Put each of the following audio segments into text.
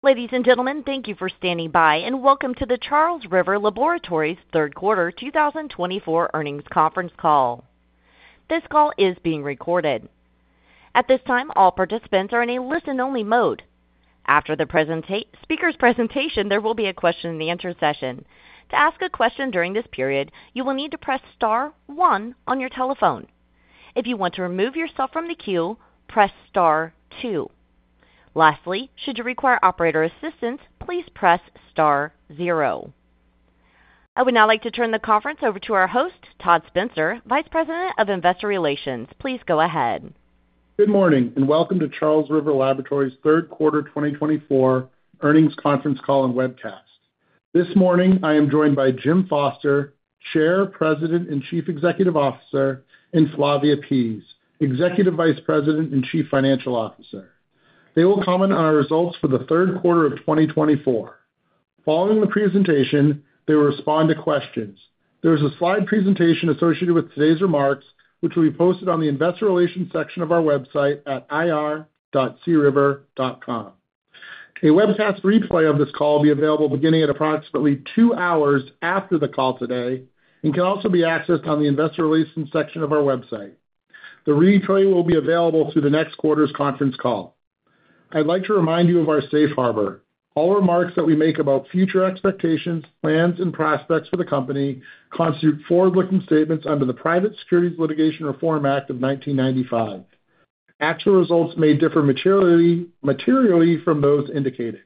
Ladies and gentlemen, thank you for standing by, and welcome to the Charles River Laboratories Third Quarter 2024 earnings conference call. This call is being recorded. At this time, all participants are in a listen-only mode. After the speaker's presentation, there will be a question-and-answer session. To ask a question during this period, you will need to press star one on your telephone. If you want to remove yourself from the queue, press star two. Lastly, should you require operator assistance, please press star zero. I would now like to turn the conference over to our host, Todd Spencer, Vice President of Investor Relations. Please go ahead. Good morning, and welcome to Charles River Laboratories Third Quarter 2024 earnings conference call and webcast. This morning, I am joined by Jim Foster, Chair, President, and Chief Executive Officer, and Flavia Pease, Executive Vice President and Chief Financial Officer. They will comment on our results for the third quarter of 2024. Following the presentation, they will respond to questions. There is a slide presentation associated with today's remarks, which will be posted on the Investor Relations section of our website at ir.criver.com. A webcast replay of this call will be available beginning at approximately two hours after the call today and can also be accessed on the Investor Relations section of our website. The replay will be available through the next quarter's conference call. I'd like to remind you of our safe harbor. All remarks that we make about future expectations, plans, and prospects for the company constitute forward-looking statements under the Private Securities Litigation Reform Act of 1995. Actual results may differ materially from those indicated.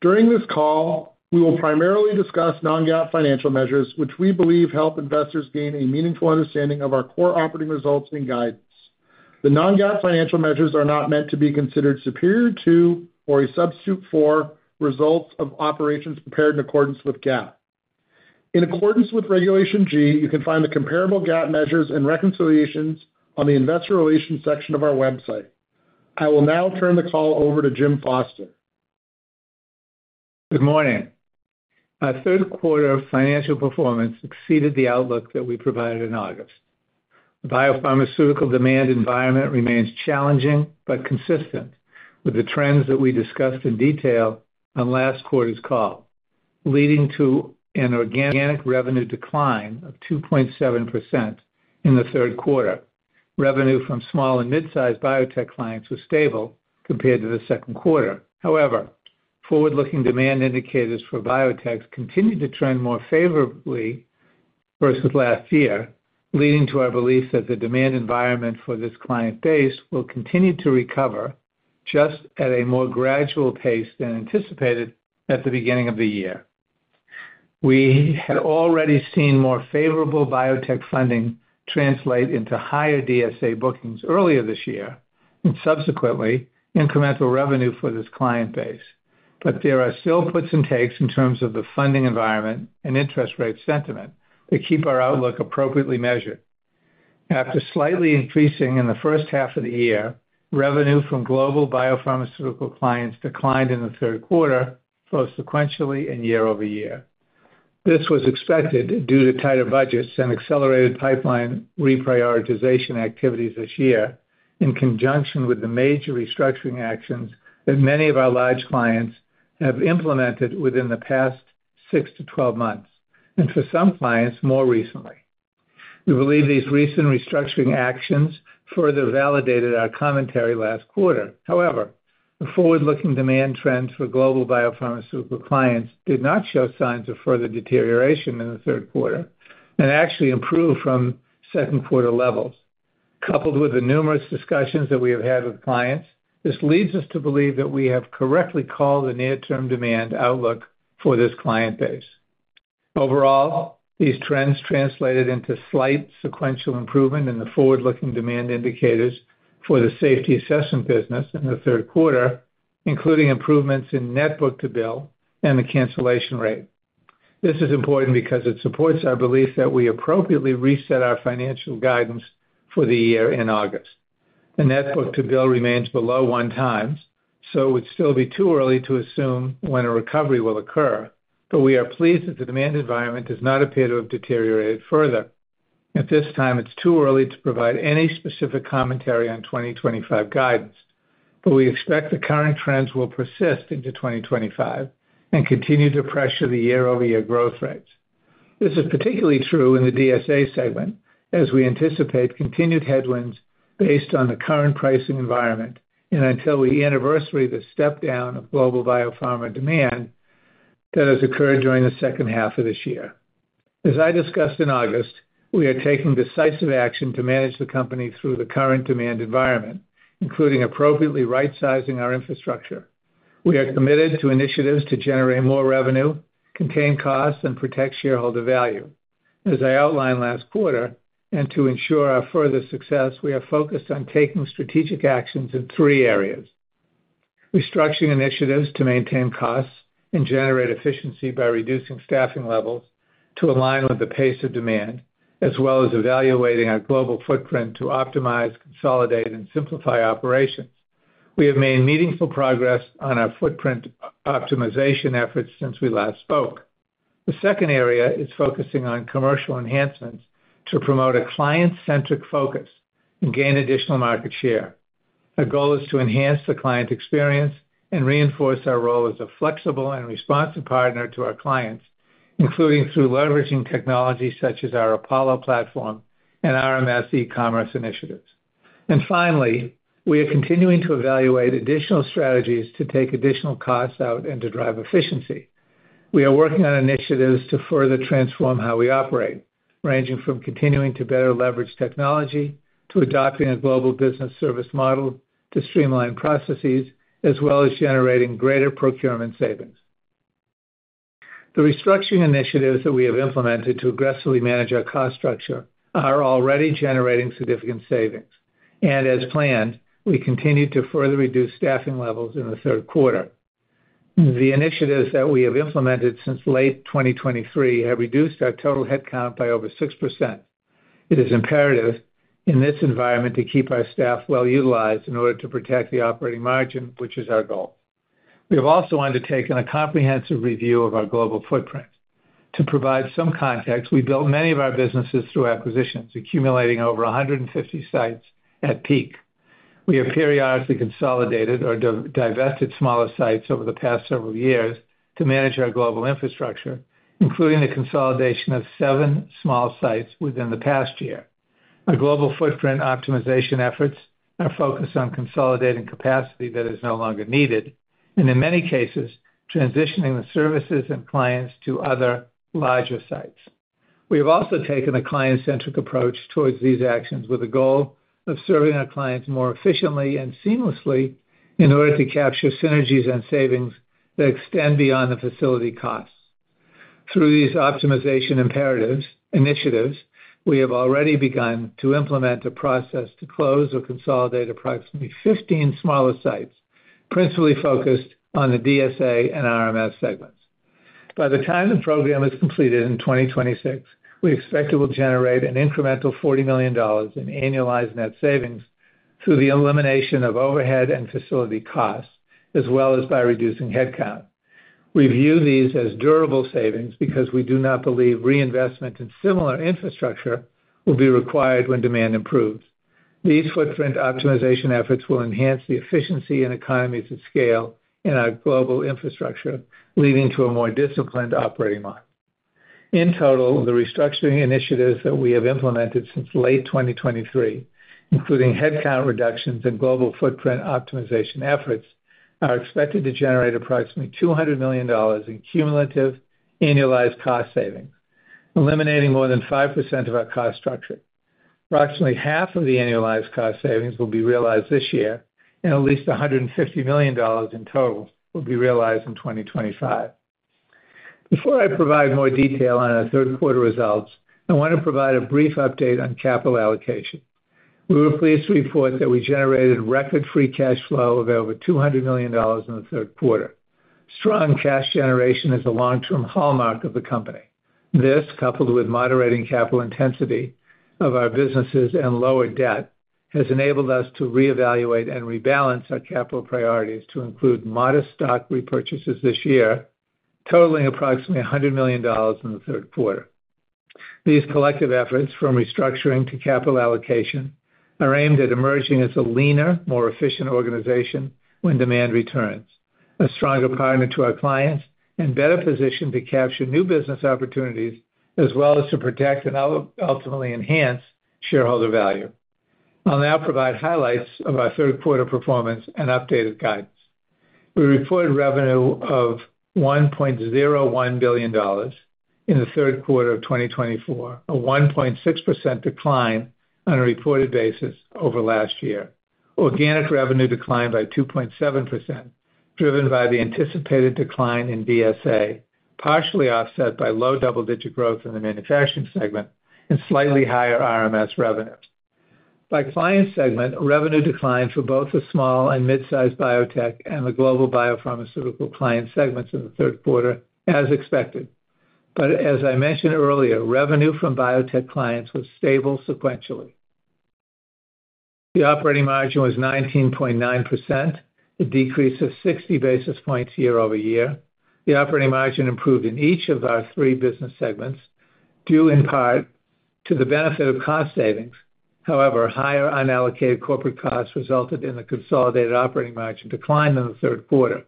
During this call, we will primarily discuss non-GAAP financial measures, which we believe help investors gain a meaningful understanding of our core operating results and guidance. The non-GAAP financial measures are not meant to be considered superior to or a substitute for results of operations prepared in accordance with GAAP. In accordance with Regulation G, you can find the comparable GAAP measures and reconciliations on the Investor Relations section of our website. I will now turn the call over to Jim Foster. Good morning. Our third quarter financial performance exceeded the outlook that we provided in August. The biopharmaceutical demand environment remains challenging but consistent with the trends that we discussed in detail on last quarter's call, leading to an organic revenue decline of 2.7% in the third quarter. Revenue from small and mid-sized biotech clients was stable compared to the second quarter. However, forward-looking demand indicators for biotechs continue to trend more favorably versus last year, leading to our belief that the demand environment for this client base will continue to recover just at a more gradual pace than anticipated at the beginning of the year. We had already seen more favorable biotech funding translate into higher DSA bookings earlier this year and subsequently incremental revenue for this client base. But there are still puts and takes in terms of the funding environment and interest rate sentiment that keep our outlook appropriately measured. After slightly increasing in the first half of the year, revenue from global biopharmaceutical clients declined in the third quarter both sequentially and year-over-year. This was expected due to tighter budgets and accelerated pipeline reprioritization activities this year in conjunction with the major restructuring actions that many of our large clients have implemented within the past six to 12 months and for some clients more recently. We believe these recent restructuring actions further validated our commentary last quarter. However, the forward-looking demand trends for global biopharmaceutical clients did not show signs of further deterioration in the third quarter and actually improved from second quarter levels. Coupled with the numerous discussions that we have had with clients, this leads us to believe that we have correctly called the near-term demand outlook for this client base. Overall, these trends translated into slight sequential improvement in the forward-looking demand indicators for the Safety Assessment business in the third quarter, including improvements in Net book-to-bill and the cancellation rate. This is important because it supports our belief that we appropriately reset our financial guidance for the year in August. The Net book-to-bill remains below one times, so it would still be too early to assume when a recovery will occur, but we are pleased that the demand environment does not appear to have deteriorated further. At this time, it's too early to provide any specific commentary on 2025 guidance, but we expect the current trends will persist into 2025 and continue to pressure the year-over-year growth rates. This is particularly true in the DSA segment as we anticipate continued headwinds based on the current pricing environment and until we anniversary the step down of Global Biopharma demand that has occurred during the second half of this year. As I discussed in August, we are taking decisive action to manage the company through the current demand environment, including appropriately right-sizing our infrastructure. We are committed to initiatives to generate more revenue, contain costs, and protect shareholder value. As I outlined last quarter, and to ensure our further success, we are focused on taking strategic actions in three areas: restructuring initiatives to maintain costs and generate efficiency by reducing staffing levels to align with the pace of demand, as well as evaluating our global footprint to optimize, consolidate, and simplify operations. We have made meaningful progress on our footprint optimization efforts since we last spoke. The second area is focusing on commercial enhancements to promote a client-centric focus and gain additional market share. Our goal is to enhance the client experience and reinforce our role as a flexible and responsive partner to our clients, including through leveraging technology such as our Apollo platform and RMS e-commerce initiatives. And finally, we are continuing to evaluate additional strategies to take additional costs out and to drive efficiency. We are working on initiatives to further transform how we operate, ranging from continuing to better leverage technology to adopting a global business service model to streamline processes, as well as generating greater procurement savings. The restructuring initiatives that we have implemented to aggressively manage our cost structure are already generating significant savings, and as planned, we continue to further reduce staffing levels in the third quarter. The initiatives that we have implemented since late 2023 have reduced our total headcount by over 6%. It is imperative in this environment to keep our staff well utilized in order to protect the operating margin, which is our goal. We have also undertaken a comprehensive review of our global footprint. To provide some context, we built many of our businesses through acquisitions, accumulating over 150 sites at peak. We have periodically consolidated or divested smaller sites over the past several years to manage our global infrastructure, including the consolidation of seven small sites within the past year. Our global footprint optimization efforts are focused on consolidating capacity that is no longer needed and, in many cases, transitioning the services and clients to other larger sites. We have also taken a client-centric approach towards these actions with a goal of serving our clients more efficiently and seamlessly in order to capture synergies and savings that extend beyond the facility costs. Through these optimization initiatives, we have already begun to implement a process to close or consolidate approximately 15 smaller sites, principally focused on the DSA and RMS segments. By the time the program is completed in 2026, we expect it will generate an incremental $40 million in annualized net savings through the elimination of overhead and facility costs, as well as by reducing headcount. We view these as durable savings because we do not believe reinvestment in similar infrastructure will be required when demand improves. These footprint optimization efforts will enhance the efficiency and economies of scale in our global infrastructure, leading to a more disciplined operating model. In total, the restructuring initiatives that we have implemented since late 2023, including headcount reductions and global footprint optimization efforts, are expected to generate approximately $200 million in cumulative annualized cost savings, eliminating more than 5% of our cost structure. Approximately half of the annualized cost savings will be realized this year, and at least $150 million in total will be realized in 2025. Before I provide more detail on our third quarter results, I want to provide a brief update on capital allocation. We were pleased to report that we generated record free cash flow of over $200 million in the third quarter. Strong cash generation is a long-term hallmark of the company. This, coupled with moderating capital intensity of our businesses and lower debt, has enabled us to reevaluate and rebalance our capital priorities to include modest stock repurchases this year, totaling approximately $100 million in the third quarter. These collective efforts, from restructuring to capital allocation, are aimed at emerging as a leaner, more efficient organization when demand returns, a stronger partner to our clients, and better positioned to capture new business opportunities, as well as to protect and ultimately enhance shareholder value. I'll now provide highlights of our third quarter performance and updated guidance. We reported revenue of $1.01 billion in the third quarter of 2024, a 1.6% decline on a reported basis over last year. Organic revenue declined by 2.7%, driven by the anticipated decline in DSA, partially offset by low double-digit growth in the manufacturing segment and slightly higher RMS revenues. By client segment, revenue declined for both the small and mid-sized biotech and the global biopharmaceutical client segments in the third quarter, as expected. But as I mentioned earlier, revenue from biotech clients was stable sequentially. The operating margin was 19.9%, a decrease of 60 basis points year over year. The operating margin improved in each of our three business segments due in part to the benefit of cost savings. However, higher unallocated corporate costs resulted in a consolidated operating margin decline in the third quarter.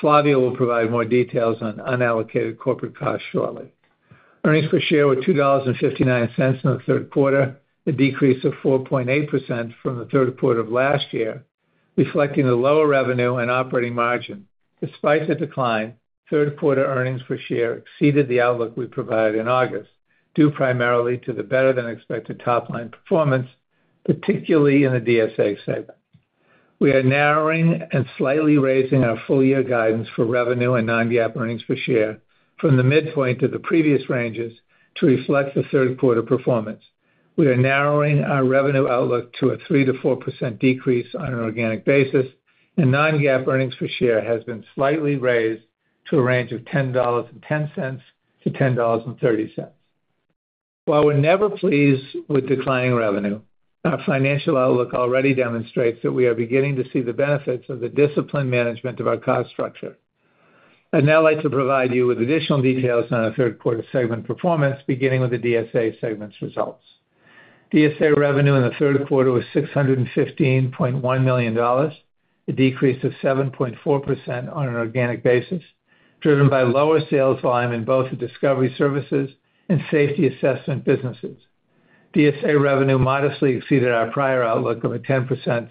Flavia will provide more details on unallocated corporate costs shortly. Earnings per share were $2.59 in the third quarter, a decrease of 4.8% from the third quarter of last year, reflecting the lower revenue and operating margin. Despite the decline, third quarter earnings per share exceeded the outlook we provided in August due primarily to the better-than-expected top-line performance, particularly in the DSA segment. We are narrowing and slightly raising our full-year guidance for revenue and non-GAAP earnings per share from the midpoint of the previous ranges to reflect the third quarter performance. We are narrowing our revenue outlook to a 3%-4% decrease on an organic basis, and non-GAAP earnings per share has been slightly raised to a range of $10.10-$10.30. While we're never pleased with declining revenue, our financial outlook already demonstrates that we are beginning to see the benefits of the disciplined management of our cost structure. I'd now like to provide you with additional details on our third quarter segment performance, beginning with the DSA segment's results. DSA revenue in the third quarter was $615.1 million, a decrease of 7.4% on an organic basis, driven by lower sales volume in both the discovery services and safety assessment businesses. DSA revenue modestly exceeded our prior outlook of a 10%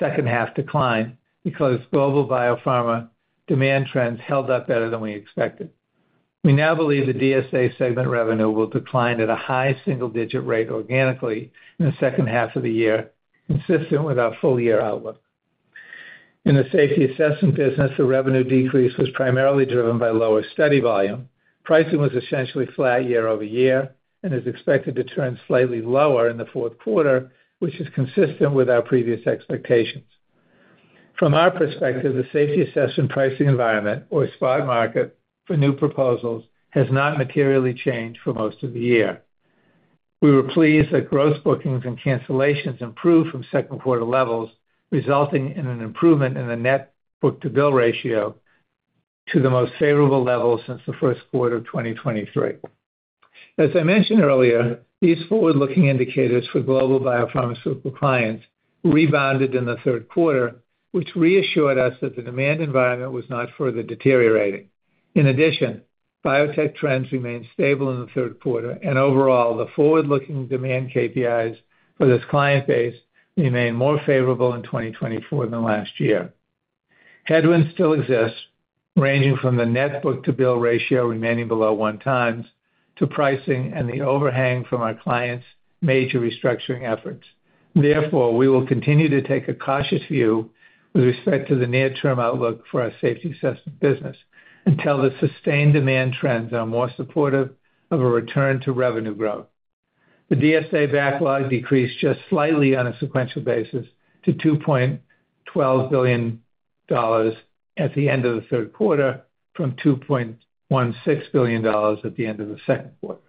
second-half decline because global biopharma demand trends held up better than we expected. We now believe the DSA segment revenue will decline at a high single-digit rate organically in the second half of the year, consistent with our full-year outlook. In the safety assessment business, the revenue decrease was primarily driven by lower study volume. Pricing was essentially flat year over year and is expected to turn slightly lower in the fourth quarter, which is consistent with our previous expectations. From our perspective, the safety assessment pricing environment, or spot market, for new proposals has not materially changed for most of the year. We were pleased that gross bookings and cancellations improved from second quarter levels, resulting in an improvement in the net book-to-bill ratio to the most favorable level since the first quarter of 2023. As I mentioned earlier, these forward-looking indicators for global biopharmaceutical clients rebounded in the third quarter, which reassured us that the demand environment was not further deteriorating. In addition, biotech trends remained stable in the third quarter, and overall, the forward-looking demand KPIs for this client base remain more favorable in 2024 than last year. Headwinds still exist, ranging from the net book-to-bill ratio remaining below one times to pricing and the overhang from our clients' major restructuring efforts. Therefore, we will continue to take a cautious view with respect to the near-term outlook for our safety assessment business until the sustained demand trends are more supportive of a return to revenue growth. The DSA backlog decreased just slightly on a sequential basis to $2.12 billion at the end of the third quarter from $2.16 billion at the end of the second quarter.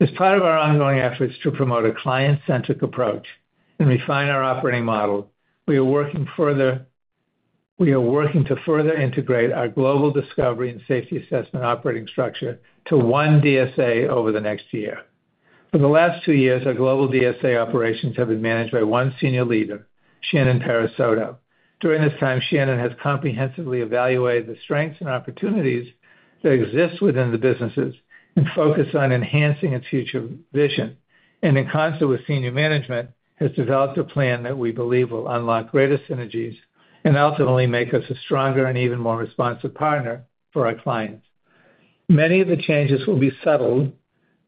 As part of our ongoing efforts to promote a client-centric approach and refine our operating model, we are working to further integrate our global discovery and safety assessment operating structure to one DSA over the next year. For the last two years, our global DSA operations have been managed by one senior leader, Shannon Parisotto. During this time, Shannon has comprehensively evaluated the strengths and opportunities that exist within the businesses and focused on enhancing its future vision. In concert with senior management, has developed a plan that we believe will unlock greater synergies and ultimately make us a stronger and even more responsive partner for our clients. Many of the changes will be settled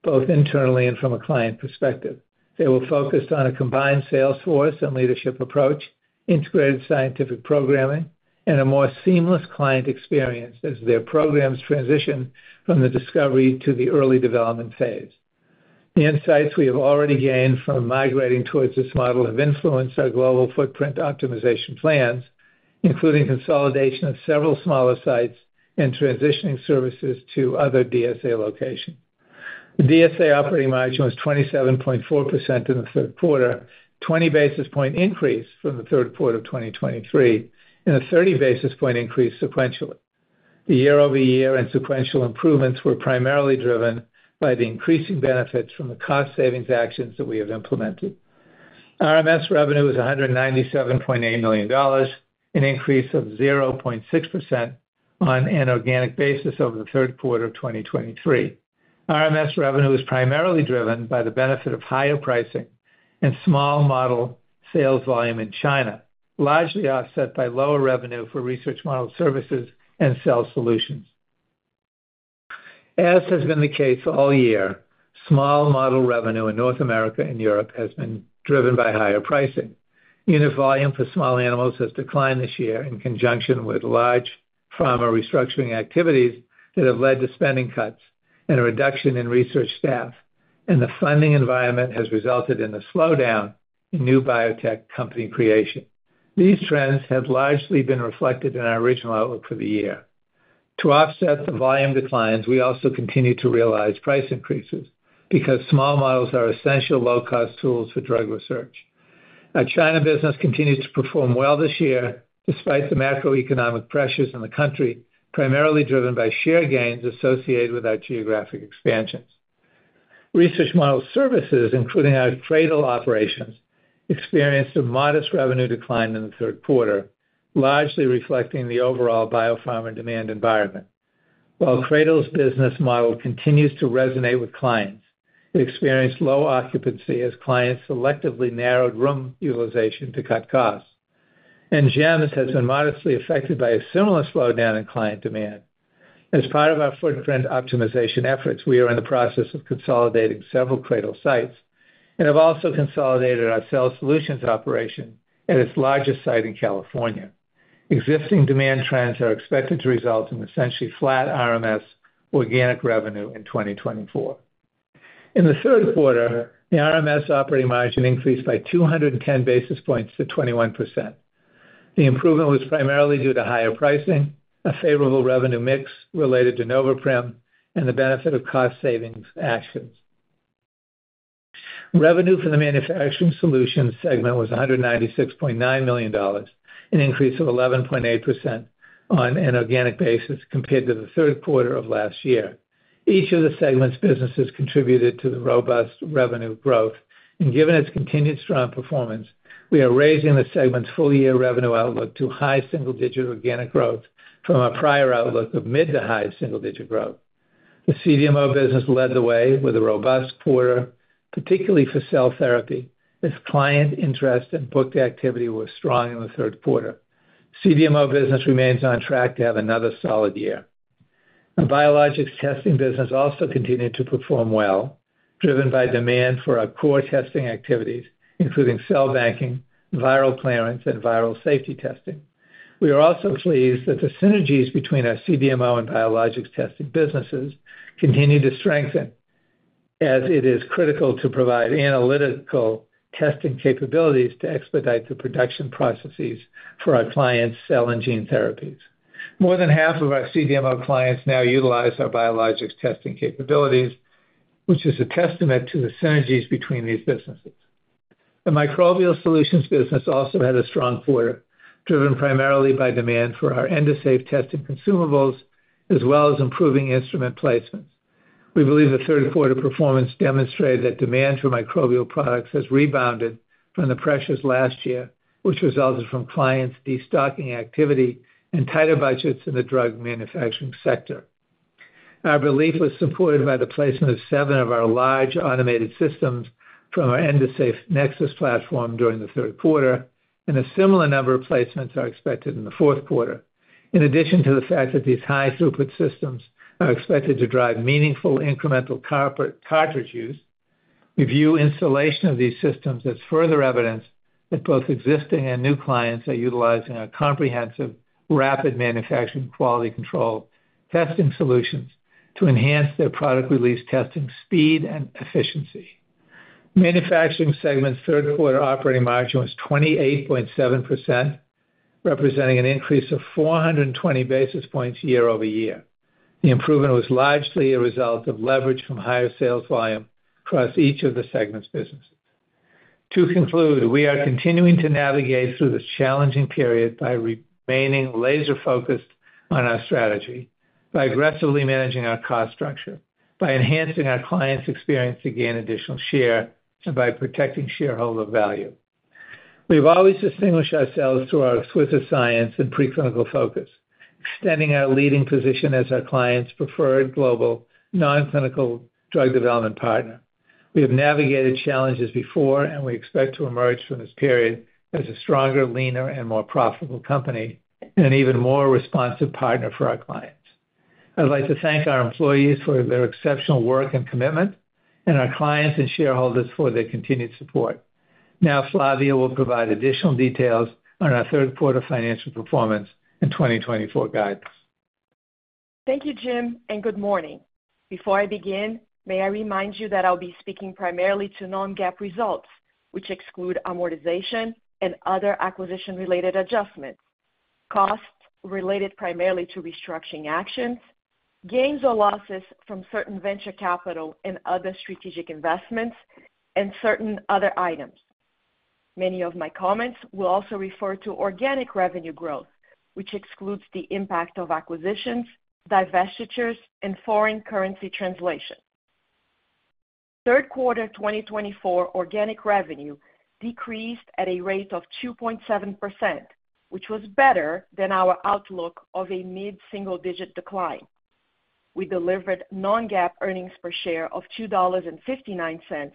both internally and from a client perspective. They will focus on a combined salesforce and leadership approach, integrated scientific programming, and a more seamless client experience as their programs transition from the discovery to the early development phase. The insights we have already gained from migrating towards this model have influenced our global footprint optimization plans, including consolidation of several smaller sites and transitioning services to other DSA locations. The DSA operating margin was 27.4% in the third quarter, a 20 basis points increase from the third quarter of 2023, and a 30 basis points increase sequentially. The year-over-year and sequential improvements were primarily driven by the increasing benefits from the cost savings actions that we have implemented. RMS revenue was $197.8 million, an increase of 0.6% on an organic basis over the third quarter of 2023. RMS revenue is primarily driven by the benefit of higher pricing and small model sales volume in China, largely offset by lower revenue for research model services and Cell Solutions. As has been the case all year, small model revenue in North America and Europe has been driven by higher pricing. Unit volume for small animals has declined this year in conjunction with large pharma restructuring activities that have led to spending cuts and a reduction in research staff, and the funding environment has resulted in a slowdown in new biotech company creation. These trends have largely been reflected in our original outlook for the year. To offset the volume declines, we also continue to realize price increases because small models are essential low-cost tools for drug research. Our China business continues to perform well this year, despite the macroeconomic pressures in the country, primarily driven by share gains associated with our geographic expansions. Research model services, including our CRADL operations, experienced a modest revenue decline in the third quarter, largely reflecting the overall biopharma demand environment. While CRADL's business model continues to resonate with clients, it experienced low occupancy as clients selectively narrowed room utilization to cut costs, and GEMS has been modestly affected by a similar slowdown in client demand. As part of our footprint optimization efforts, we are in the process of consolidating several CRADL sites and have also consolidated our Cell Solutions operation at its largest site in California. Existing demand trends are expected to result in essentially flat RMS organic revenue in 2024. In the third quarter, the RMS operating margin increased by 210 basis points to 21%. The improvement was primarily due to higher pricing, a favorable revenue mix related to Noveprim, and the benefit of cost savings actions. Revenue for the manufacturing solutions segment was $196.9 million, an increase of 11.8% on an organic basis compared to the third quarter of last year. Each of the segments' businesses contributed to the robust revenue growth, and given its continued strong performance, we are raising the segment's full-year revenue outlook to high single-digit organic growth from our prior outlook of mid to high single-digit growth. The CDMO business led the way with a robust quarter, particularly for cell therapy, as client interest and booked activity were strong in the third quarter. CDMO business remains on track to have another solid year. Our biologics testing business also continued to perform well, driven by demand for our core testing activities, including cell banking, viral clearance, and viral safety testing. We are also pleased that the synergies between our CDMO and biologics testing businesses continue to strengthen, as it is critical to provide analytical testing capabilities to expedite the production processes for our clients' cell and gene therapies. More than half of our CDMO clients now utilize our biologics testing capabilities, which is a testament to the synergies between these businesses. The microbial solutions business also had a strong quarter, driven primarily by demand for our Endosafe testing consumables, as well as improving instrument placements. We believe the third quarter performance demonstrated that demand for microbial products has rebounded from the pressures last year, which resulted from clients' destocking activity and tighter budgets in the drug manufacturing sector. Our belief was supported by the placement of seven of our large automated systems from our Endosafe Nexus platform during the third quarter, and a similar number of placements are expected in the fourth quarter. In addition to the fact that these high-throughput systems are expected to drive meaningful incremental cartridge use, we view installation of these systems as further evidence that both existing and new clients are utilizing our comprehensive, rapid manufacturing quality control testing solutions to enhance their product release testing speed and efficiency. Manufacturing segment's third quarter operating margin was 28.7%, representing an increase of 420 basis points year-over-year. The improvement was largely a result of leverage from higher sales volume across each of the segment's businesses. To conclude, we are continuing to navigate through this challenging period by remaining laser-focused on our strategy, by aggressively managing our cost structure, by enhancing our clients' experience to gain additional share, and by protecting shareholder value. We have always distinguished ourselves through our exquisite science and preclinical focus, extending our leading position as our client's preferred global non-clinical drug development partner. We have navigated challenges before, and we expect to emerge from this period as a stronger, leaner, and more profitable company, and an even more responsive partner for our clients. I'd like to thank our employees for their exceptional work and commitment, and our clients and shareholders for their continued support. Now, Flavia will provide additional details on our third quarter financial performance and 2024 guidance. Thank you, Jim, and good morning. Before I begin, may I remind you that I'll be speaking primarily to Non-GAAP results, which exclude amortization and other acquisition-related adjustments, costs related primarily to restructuring actions, gains or losses from certain venture capital and other strategic investments, and certain other items. Many of my comments will also refer to organic revenue growth, which excludes the impact of acquisitions, divestitures, and foreign currency translation. Third quarter 2024 organic revenue decreased at a rate of 2.7%, which was better than our outlook of a mid-single-digit decline. We delivered Non-GAAP earnings per share of $2.59,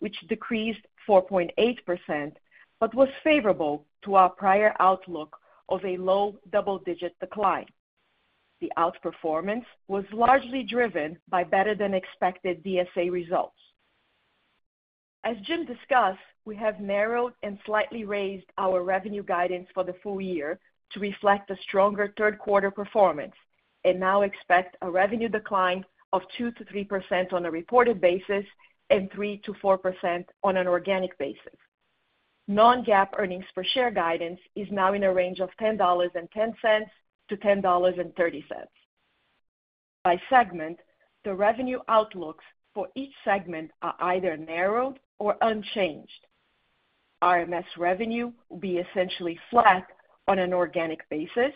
which decreased 4.8%, but was favorable to our prior outlook of a low double-digit decline. The outperformance was largely driven by better-than-expected DSA results. As Jim discussed, we have narrowed and slightly raised our revenue guidance for the full year to reflect the stronger third quarter performance and now expect a revenue decline of 2%-3% on a reported basis and 3%-4% on an organic basis. Non-GAAP earnings per share guidance is now in a range of $10.10-$10.30. By segment, the revenue outlooks for each segment are either narrowed or unchanged. RMS revenue will be essentially flat on an organic basis.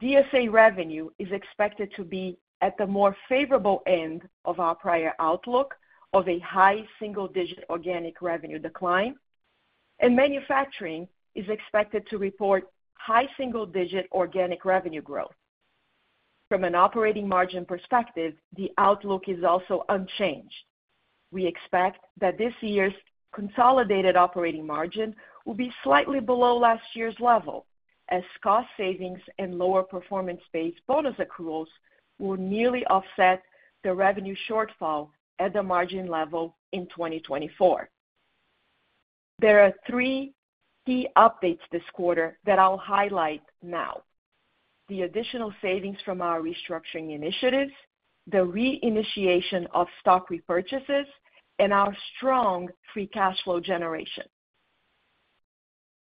DSA revenue is expected to be at the more favorable end of our prior outlook of a high single-digit organic revenue decline, and manufacturing is expected to report high single-digit organic revenue growth. From an operating margin perspective, the outlook is also unchanged. We expect that this year's consolidated operating margin will be slightly below last year's level, as cost savings and lower performance-based bonus accruals will nearly offset the revenue shortfall at the margin level in 2024. There are three key updates this quarter that I'll highlight now: the additional savings from our restructuring initiatives, the reinitiation of stock repurchases, and our strong free cash flow generation.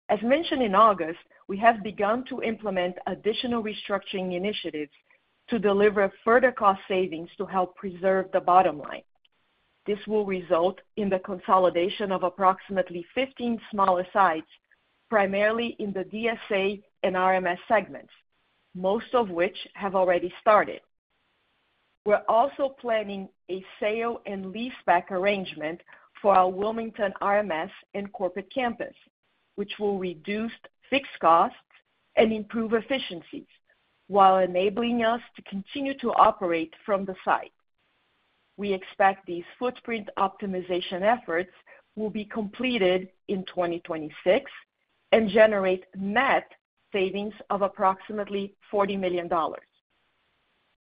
As mentioned in August, we have begun to implement additional restructuring initiatives to deliver further cost savings to help preserve the bottom line. This will result in the consolidation of approximately 15 smaller sites, primarily in the DSA and RMS segments, most of which have already started. We're also planning a sale and lease-back arrangement for our Wilmington RMS and corporate campus, which will reduce fixed costs and improve efficiencies while enabling us to continue to operate from the site. We expect these footprint optimization efforts will be completed in 2026 and generate net savings of approximately $40 million.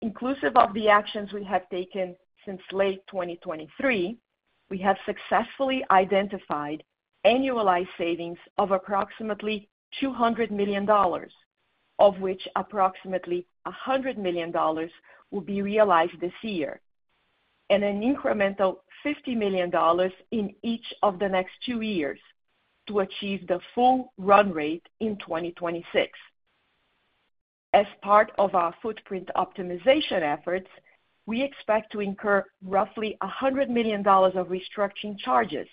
Inclusive of the actions we have taken since late 2023, we have successfully identified annualized savings of approximately $200 million, of which approximately $100 million will be realized this year, and an incremental $50 million in each of the next two years to achieve the full run rate in 2026. As part of our footprint optimization efforts, we expect to incur roughly $100 million of restructuring charges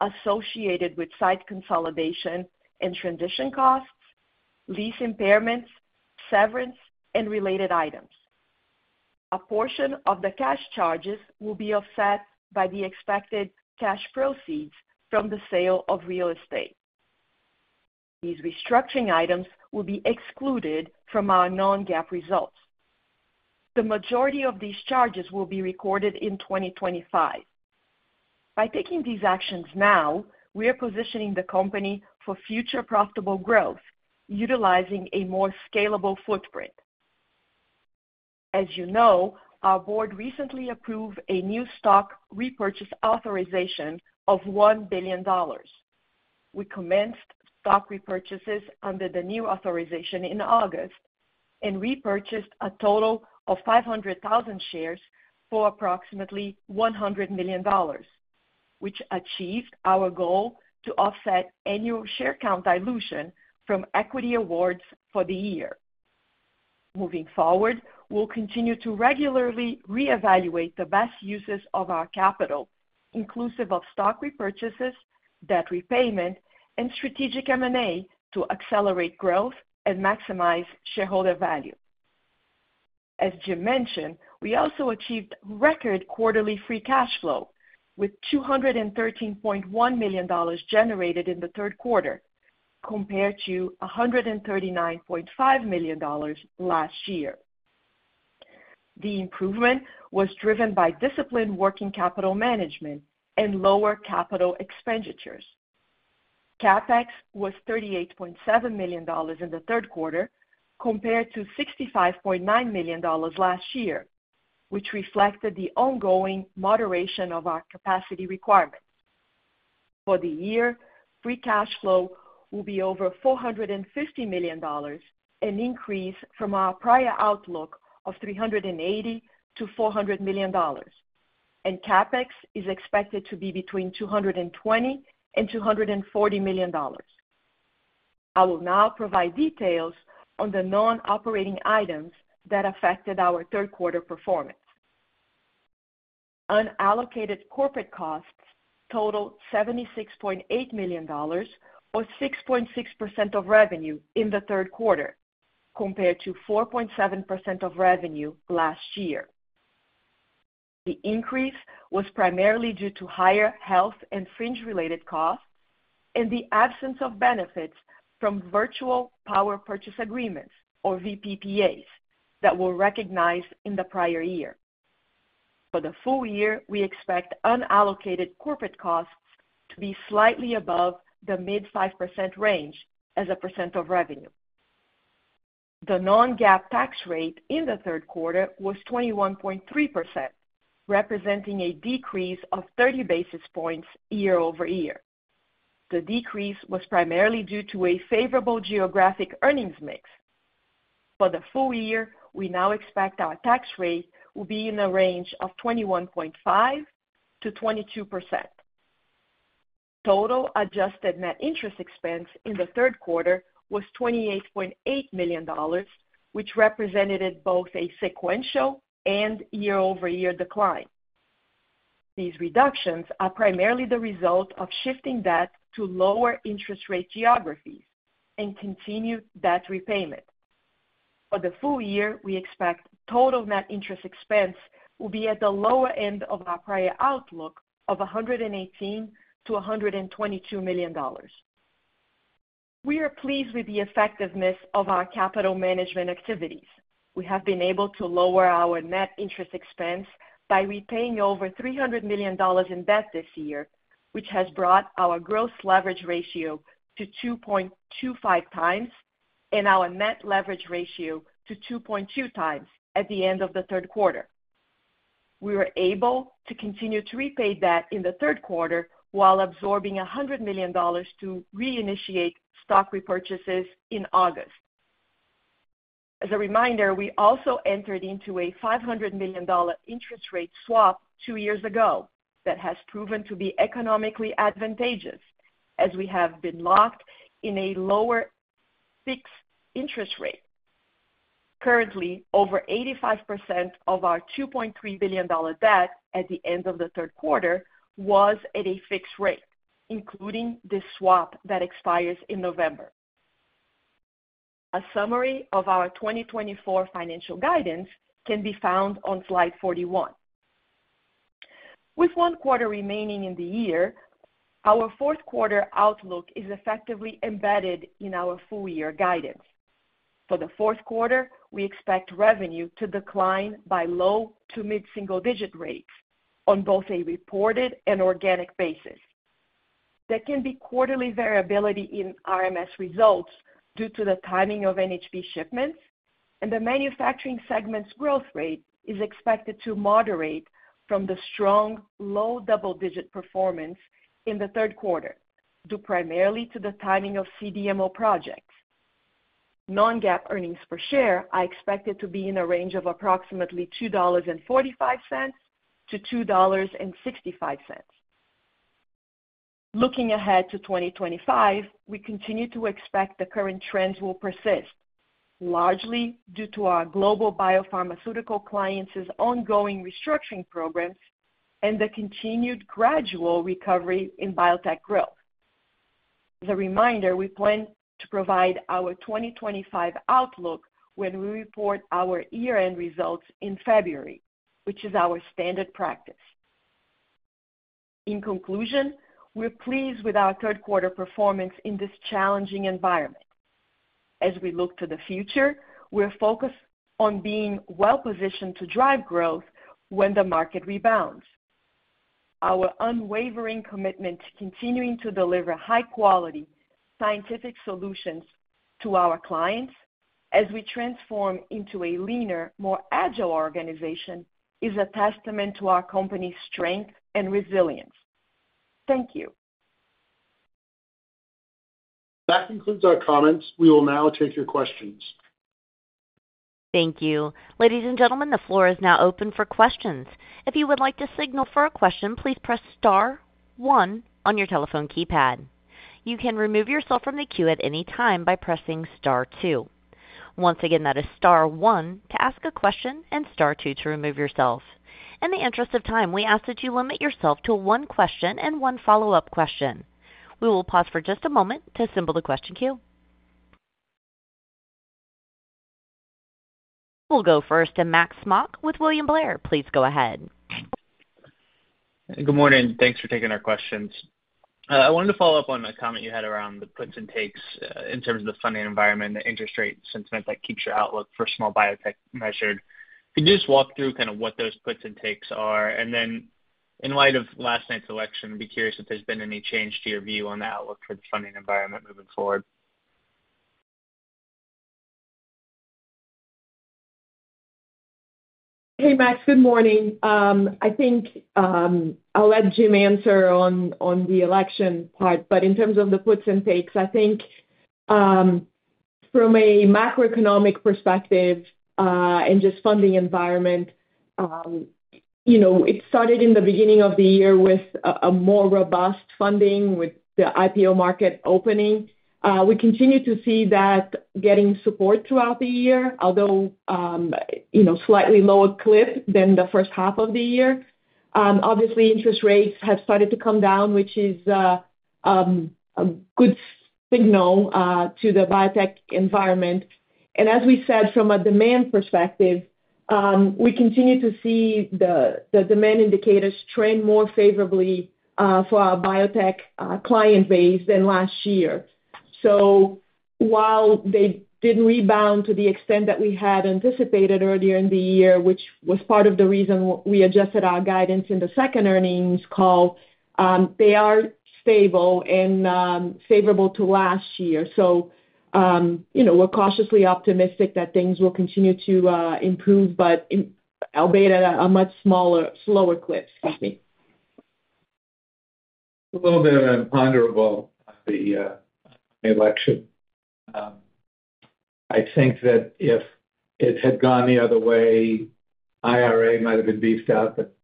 associated with site consolidation and transition costs, lease impairments, severance, and related items. A portion of the cash charges will be offset by the expected cash proceeds from the sale of real estate. These restructuring items will be excluded from our non-GAAP results. The majority of these charges will be recorded in 2025. By taking these actions now, we are positioning the company for future profitable growth, utilizing a more scalable footprint. As you know, our board recently approved a new stock repurchase authorization of $1 billion. We commenced stock repurchases under the new authorization in August and repurchased a total of 500,000 shares for approximately $100 million, which achieved our goal to offset annual share count dilution from equity awards for the year. Moving forward, we'll continue to regularly reevaluate the best uses of our capital, inclusive of stock repurchases, debt repayment, and strategic M&A to accelerate growth and maximize shareholder value. As Jim mentioned, we also achieved record quarterly free cash flow, with $213.1 million generated in the third quarter, compared to $139.5 million last year. The improvement was driven by disciplined working capital management and lower capital expenditures. CapEx was $38.7 million in the third quarter, compared to $65.9 million last year, which reflected the ongoing moderation of our capacity requirements. For the year, free cash flow will be over $450 million, an increase from our prior outlook of $380-$400 million, and CapEx is expected to be between $220 and $240 million. I will now provide details on the non-operating items that affected our third quarter performance. Unallocated corporate costs total $76.8 million, or 6.6% of revenue in the third quarter, compared to 4.7% of revenue last year. The increase was primarily due to higher health and fringe-related costs and the absence of benefits from virtual power purchase agreements, or VPPAs, that were recognized in the prior year. For the full year, we expect unallocated corporate costs to be slightly above the mid-5% range as a % of revenue. The Non-GAAP tax rate in the third quarter was 21.3%, representing a decrease of 30 basis points year over year. The decrease was primarily due to a favorable geographic earnings mix. For the full year, we now expect our tax rate will be in the range of 21.5%-22%. The total adjusted net interest expense in the third quarter was $28.8 million, which represented both a sequential and year-over-year decline. These reductions are primarily the result of shifting debt to lower interest rate geographies and continued debt repayment. For the full year, we expect total net interest expense will be at the lower end of our prior outlook of $118-$122 million. We are pleased with the effectiveness of our capital management activities. We have been able to lower our net interest expense by repaying over $300 million in debt this year, which has brought our gross leverage ratio to 2.25 times and our net leverage ratio to 2.2 times at the end of the third quarter. We were able to continue to repay debt in the third quarter while absorbing $100 million to reinitiate stock repurchases in August. As a reminder, we also entered into a $500 million interest rate swap two years ago that has proven to be economically advantageous, as we have been locked in a lower fixed interest rate. Currently, over 85% of our $2.3 billion debt at the end of the third quarter was at a fixed rate, including the swap that expires in November. A summary of our 2024 financial guidance can be found on slide 41. With one quarter remaining in the year, our fourth quarter outlook is effectively embedded in our full-year guidance. For the fourth quarter, we expect revenue to decline by low to mid-single-digit rates on both a reported and organic basis. There can be quarterly variability in RMS results due to the timing of NHP shipments, and the manufacturing segment's growth rate is expected to moderate from the strong low double-digit performance in the third quarter due primarily to the timing of CDMO projects. Non-GAAP earnings per share are expected to be in a range of approximately $2.45-$2.65. Looking ahead to 2025, we continue to expect the current trends will persist, largely due to our global biopharmaceutical clients' ongoing restructuring programs and the continued gradual recovery in biotech growth. As a reminder, we plan to provide our 2025 outlook when we report our year-end results in February, which is our standard practice. In conclusion, we're pleased with our third quarter performance in this challenging environment. As we look to the future, we're focused on being well-positioned to drive growth when the market rebounds. Our unwavering commitment to continuing to deliver high-quality scientific solutions to our clients, as we transform into a leaner, more agile organization, is a testament to our company's strength and resilience. Thank you. That concludes our comments. We will now take your questions. Thank you. Ladies and gentlemen, the floor is now open for questions. If you would like to signal for a question, please press star one on your telephone keypad. You can remove yourself from the queue at any time by pressing star two. Once again, that is star one to ask a question and star two to remove yourself. In the interest of time, we ask that you limit yourself to one question and one follow-up question. We will pause for just a moment to assemble the question queue. We'll go first to Max Smock with William Blair. Please go ahead. Good morning. Thanks for taking our questions. I wanted to follow up on a comment you had around the puts and takes in terms of the funding environment, the interest rate sentiment that keeps your outlook for small biotech measured. Could you just walk through kind of what those puts and takes are? And then, in light of last night's election, I'd be curious if there's been any change to your view on the outlook for the funding environment moving forward. Hey, Max. Good morning. I think I'll let Jim answer on the election part, but in terms of the puts and takes, I think from a macroeconomic perspective and just funding environment, it started in the beginning of the year with a more robust funding with the IPO market opening. We continue to see that getting support throughout the year, although slightly lower clip than the first half of the year. Obviously, interest rates have started to come down, which is a good signal to the biotech environment. And as we said, from a demand perspective, we continue to see the demand indicators trend more favorably for our biotech client base than last year. So while they didn't rebound to the extent that we had anticipated earlier in the year, which was part of the reason we adjusted our guidance in the second earnings call, they are stable and favorable to last year. So we're cautiously optimistic that things will continue to improve, but albeit at a much slower clip. Excuse me. A little bit of a ponderable at the election. I think that if it had gone the other way, IRA might have been beefed up, but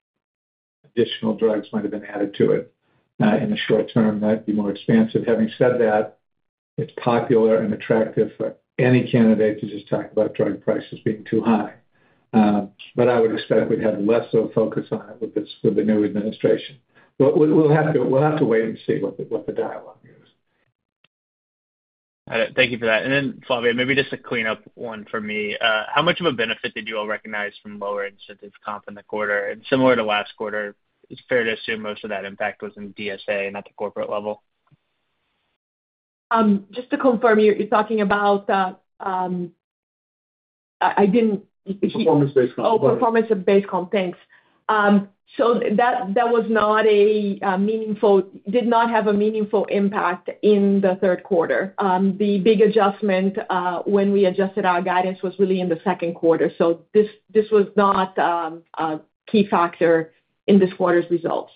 additional drugs might have been added to it. In the short term, that'd be more expansive. Having said that, it's popular and attractive for any candidate to just talk about drug prices being too high. But I would expect we'd have less of a focus on it with the new administration. We'll have to wait and see what the dialogue is. Got it. Thank you for that. And then, Flavia, maybe just a cleanup one from me. How much of a benefit did you all recognize from lower incentive comp in the quarter? Similar to last quarter, it's fair to assume most of that impact was in DSA and at the corporate level. Just to confirm, you're talking about? performance-based comp. Oh, performance-based comp. Thanks. So that was not a meaningful impact in the third quarter. The big adjustment when we adjusted our guidance was really in the second quarter. So this was not a key factor in this quarter's results.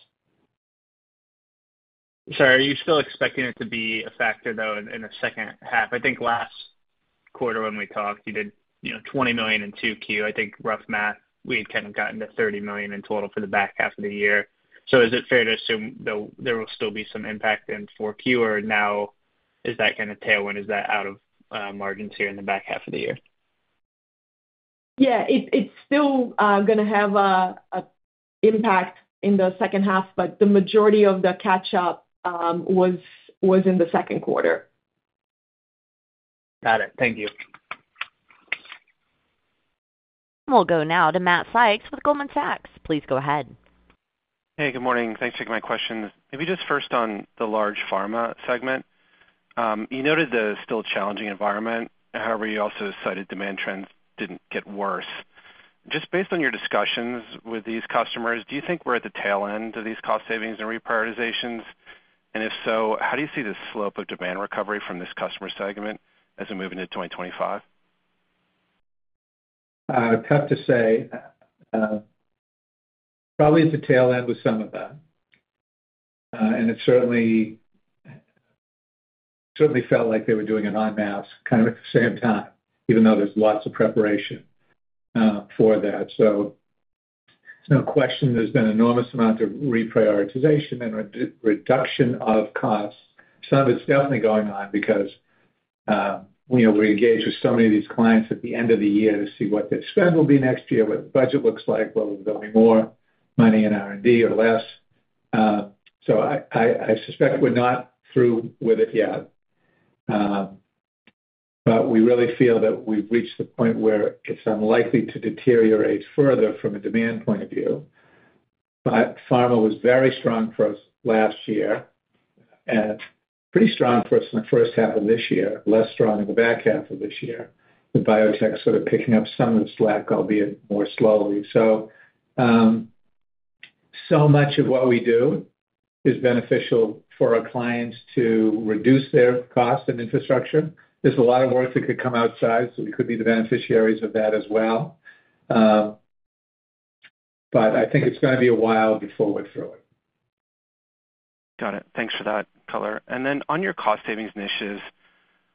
I'm sorry. Are you still expecting it to be a factor, though, in the second half? I think last quarter when we talked, you did $20 million in 2Q. I think rough math, we had kind of gotten to $30 million in total for the back half of the year. So is it fair to assume there will still be some impact in 4Q, or now is that kind of tailwind? Is that out of margins here in the back half of the year? Yeah. It's still going to have an impact in the second half, but the majority of the catch-up was in the second quarter. Got it. Thank you. We'll go now to Matt Sykes with Goldman Sachs. Please go ahead. Hey, good morning. Thanks for taking my questions. Maybe just first on the large pharma segment. You noted the still challenging environment. However, you also cited demand trends didn't get worse. Just based on your discussions with these customers, do you think we're at the tail end of these cost savings and reprioritizations? And if so, how do you see the slope of demand recovery from this customer segment as we move into 2025? Tough to say. Probably at the tail end with some of that. It certainly felt like they were doing an en masse kind of at the same time, even though there's lots of preparation for that. There's no question there's been an enormous amount of reprioritization and reduction of costs. Some of it's definitely going on because we engage with so many of these clients at the end of the year to see what their spend will be next year, what the budget looks like, whether they'll be more money in R&D or less. I suspect we're not through with it yet. We really feel that we've reached the point where it's unlikely to deteriorate further from a demand point of view. Pharma was very strong for us last year and pretty strong for us in the first half of this year, less strong in the back half of this year, with biotech sort of picking up some of the slack, albeit more slowly. So much of what we do is beneficial for our clients to reduce their costs and infrastructure. There's a lot of work that could come outside, so we could be the beneficiaries of that as well. But I think it's going to be a while before we're through it. Got it. Thanks for that, color. And then on your cost savings initiatives,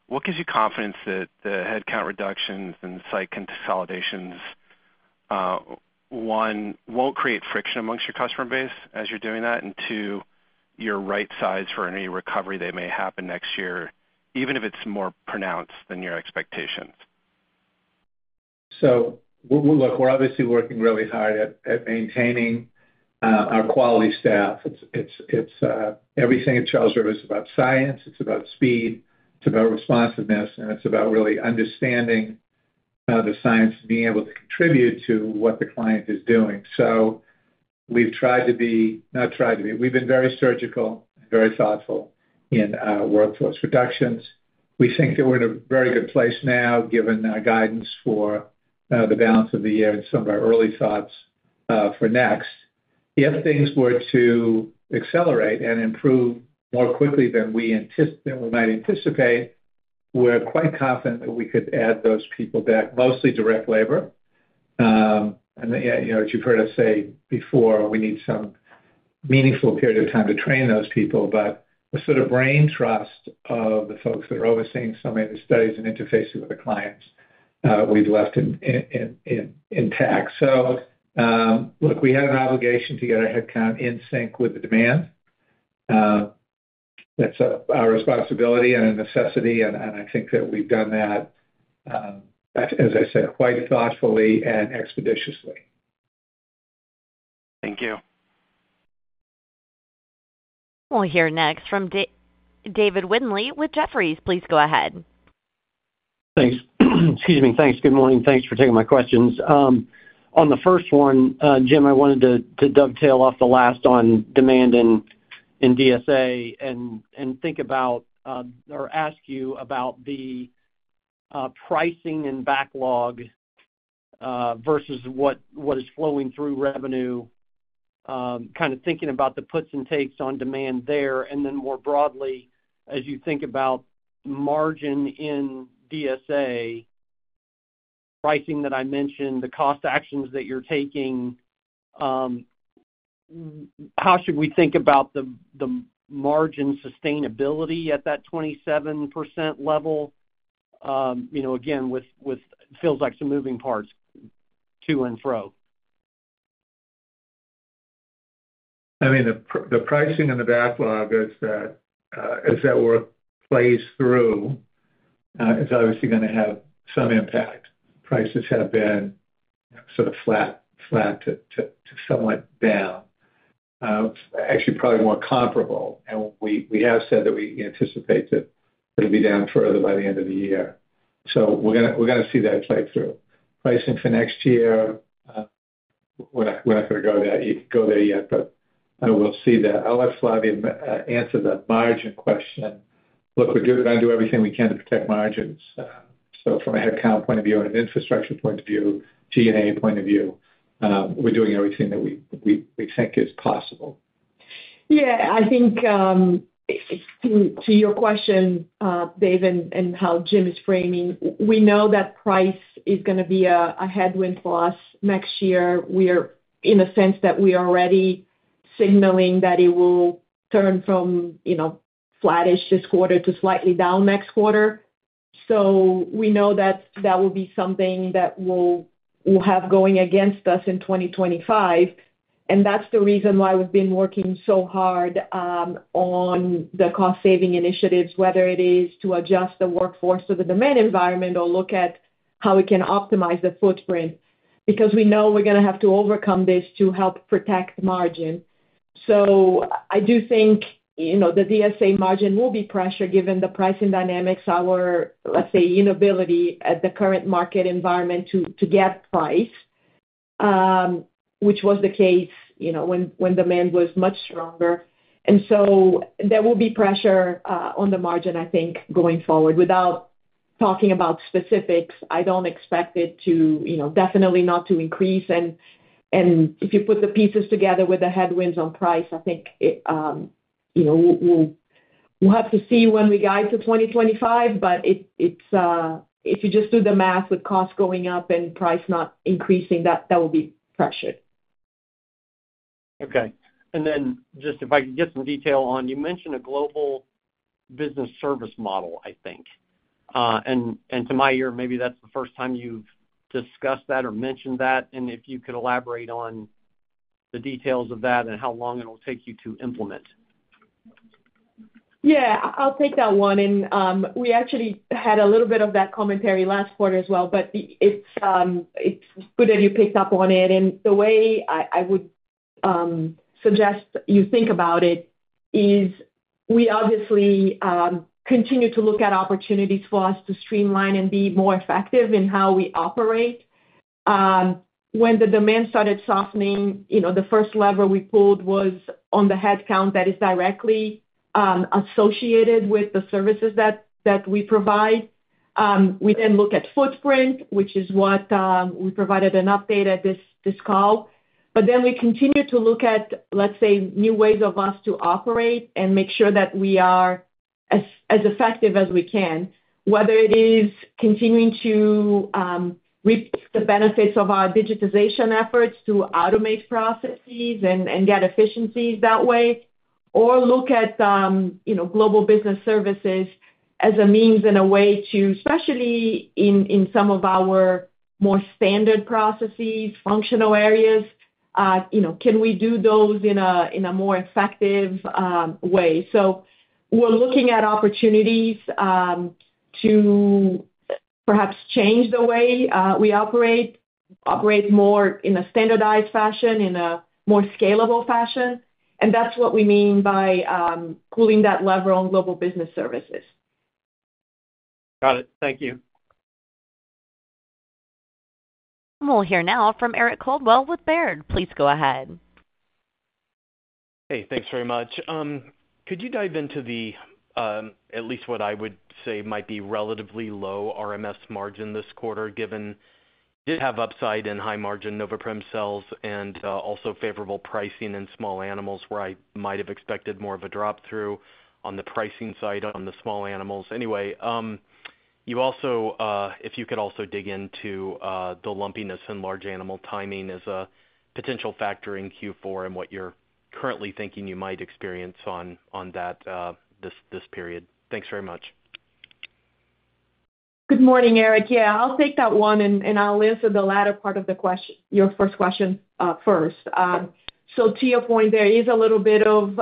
what gives you confidence that the headcount reductions and the site consolidations, one, won't create friction amongst your customer base as you're doing that, and two, you're right-sized for any recovery that may happen next year, even if it's more pronounced than your expectations? So look, we're obviously working really hard at maintaining our quality staff. Everything at Charles River is about science. It's about speed. It's about responsiveness. And it's about really understanding the science and being able to contribute to what the client is doing. So we've tried to be. We've been very surgical and very thoughtful in our workforce reductions. We think that we're in a very good place now, given our guidance for the balance of the year and some of our early thoughts for next. If things were to accelerate and improve more quickly than we might anticipate, we're quite confident that we could add those people back, mostly direct labor. And as you've heard us say before, we need some meaningful period of time to train those people, but the sort of brain trust of the folks that are overseeing some of the studies and interfacing with the clients, we've left intact. So look, we had an obligation to get our headcount in sync with the demand. That's our responsibility and a necessity. And I think that we've done that, as I said, quite thoughtfully and expeditiously. Thank you. We'll hear next from David Windley with Jefferies. Please go ahead. Thanks. Excuse me. Thanks. Good morning. Thanks for taking my questions. On the first one, Jim, I wanted to dovetail off the last on demand and DSA and think about or ask you about the pricing and backlog versus what is flowing through revenue, kind of thinking about the puts and takes on demand there. Then, more broadly, as you think about margin in DSA, pricing that I mentioned, the cost actions that you're taking, how should we think about the margin sustainability at that 27% level? Again, it feels like some moving parts to and fro. I mean, the pricing and the backlog, as that work plays through, is obviously going to have some impact. Prices have been sort of flat to somewhat down, actually probably more comparable. We have said that we anticipate that it'll be down further by the end of the year. So we're going to see that play through. Pricing for next year, we're not going to go there yet, but we'll see that. I'll let Flavia answer the margin question. Look, we're going to do everything we can to protect margins. So from a headcount point of view and an infrastructure point of view, G&A point of view, we're doing everything that we think is possible. Yeah. I think to your question, Dave, and how Jim is framing, we know that price is going to be a headwind for us next year. We are, in a sense, that we are already signaling that it will turn from flattish this quarter to slightly down next quarter. So we know that that will be something that we'll have going against us in 2025. And that's the reason why we've been working so hard on the cost-saving initiatives, whether it is to adjust the workforce to the demand environment or look at how we can optimize the footprint, because we know we're going to have to overcome this to help protect margin. So I do think the DSA margin will be pressured given the pricing dynamics, our, let's say, inability at the current market environment to get price, which was the case when demand was much stronger. And so there will be pressure on the margin, I think, going forward. Without talking about specifics, I don't expect it to definitely not to increase. And if you put the pieces together with the headwinds on price, I think we'll have to see when we guide to 2025. But if you just do the math with cost going up and price not increasing, that will be pressured. Okay. And then just if I could get some detail on, you mentioned a global business service model, I think. And to my ear, maybe that's the first time you've discussed that or mentioned that. If you could elaborate on the details of that and how long it'll take you to implement. Yeah. I'll take that one. We actually had a little bit of that commentary last quarter as well, but it's good that you picked up on it. The way I would suggest you think about it is we obviously continue to look at opportunities for us to streamline and be more effective in how we operate. When the demand started softening, the first lever we pulled was on the headcount that is directly associated with the services that we provide. We then look at footprint, which is what we provided an update at this call. But then we continue to look at, let's say, new ways of us to operate and make sure that we are as effective as we can, whether it is continuing to reap the benefits of our digitization efforts to automate processes and get efficiencies that way, or look at global business services as a means and a way to, especially in some of our more standard processes, functional areas, can we do those in a more effective way? So we're looking at opportunities to perhaps change the way we operate, operate more in a standardized fashion, in a more scalable fashion. And that's what we mean by pulling that lever on global business services. Got it. Thank you. We'll hear now from Eric Coldwell with Baird. Please go ahead. Hey, thanks very much. Could you dive into the, at least what I would say might be relatively low RMS margin this quarter, given you did have upside in high-margin Noveprim sales and also favorable pricing in small animals, where I might have expected more of a drop-through on the pricing side on the small animals? Anyway, if you could also dig into the lumpiness in large animal timing as a potential factor in Q4 and what you're currently thinking you might experience on that this period? Thanks very much. Good morning, Eric. Yeah. I'll take that one, and I'll answer the latter part of your first question first. So to your point, there is a little bit of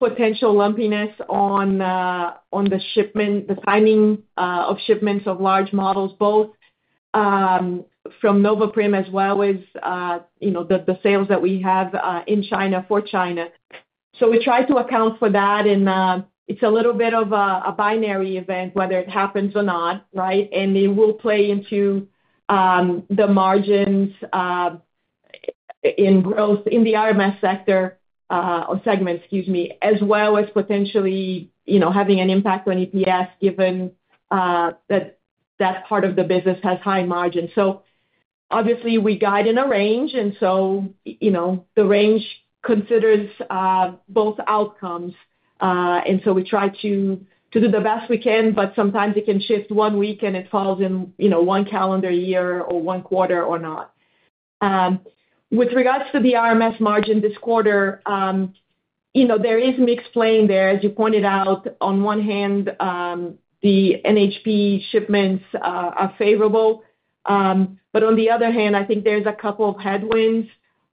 potential lumpiness on the timing of shipments of large models, both from Noveprim as well as the sales that we have in China for China. So we try to account for that, and it's a little bit of a binary event, whether it happens or not, right? And it will play into the margins in growth in the RMS sector or segment, excuse me, as well as potentially having an impact on EPS, given that that part of the business has high margins. So obviously, we guide in a range, and so the range considers both outcomes. And so we try to do the best we can, but sometimes it can shift one week, and it falls in one calendar year or one quarter or not. With regards to the RMS margin this quarter, there is a mixed bag there. As you pointed out, on one hand, the NHP shipments are favorable. But on the other hand, I think there's a couple of headwinds.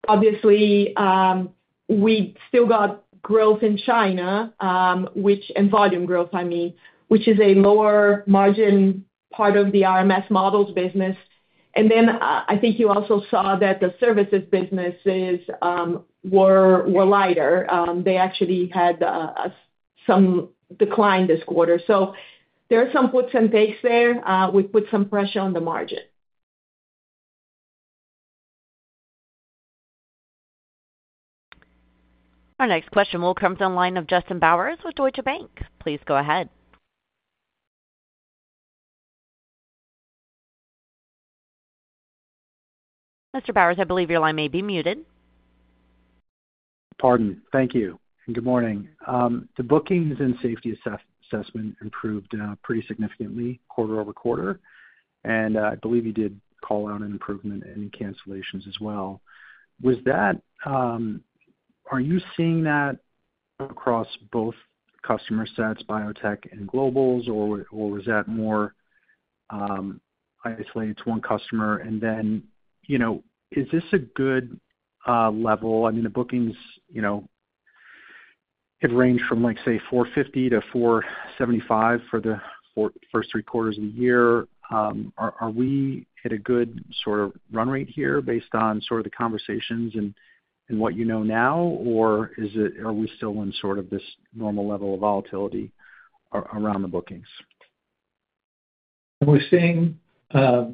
Obviously, we still got growth in China, and volume growth, I mean, which is a lower margin part of the RMS models business. And then I think you also saw that the services businesses were lighter. They actually had some decline this quarter. So there are some puts and takes there. We put some pressure on the margin. Our next question will come from the line of Justin Bowers with Deutsche Bank. Please go ahead. Mr. Bowers, I believe your line may be muted. Pardon. Thank you. Good morning. The bookings and safety assessment improved pretty significantly quarter over quarter. And I believe you did call out an improvement in cancellations as well. Are you seeing that across both customer sets, biotech and globals, or was that more isolated to one customer? And then is this a good level? I mean, the bookings have ranged from, say, 450-475 for the first three quarters of the year. Are we at a good sort of run rate here based on sort of the conversations and what you know now, or are we still in sort of this normal level of volatility around the bookings? We're seeing a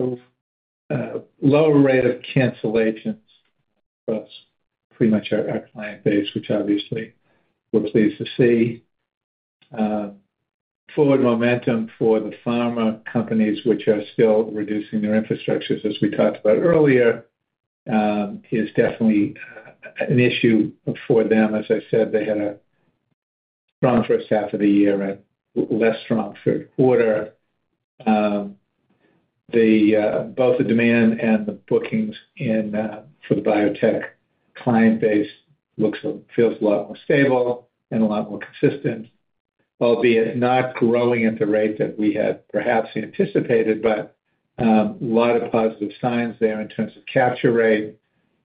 lower rate of cancellations across pretty much our client base, which obviously we're pleased to see. Forward momentum for the pharma companies, which are still reducing their infrastructures, as we talked about earlier, is definitely an issue for them. As I said, they had a strong first half of the year and less strong third quarter. Both the demand and the bookings for the biotech client base feels a lot more stable and a lot more consistent, albeit not growing at the rate that we had perhaps anticipated, but a lot of positive signs there in terms of capture rate,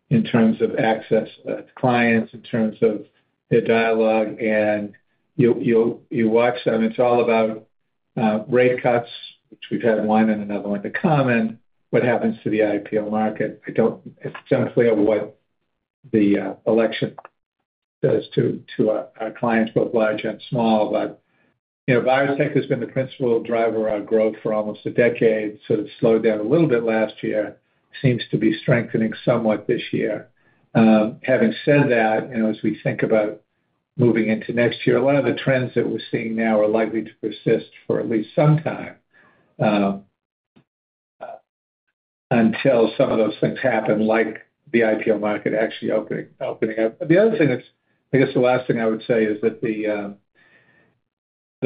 in terms of access to clients, in terms of their dialogue, and you watch them, it's all about rate cuts, which we've had one and another one to come, and what happens to the IPO market. I don't have a clear what the election does to our clients, both large and small, but biotech has been the principal driver of our growth for almost a decade, sort of slowed down a little bit last year, seems to be strengthening somewhat this year. Having said that, as we think about moving into next year, a lot of the trends that we're seeing now are likely to persist for at least some time until some of those things happen, like the IPO market actually opening up. The other thing that's, I guess the last thing I would say is that the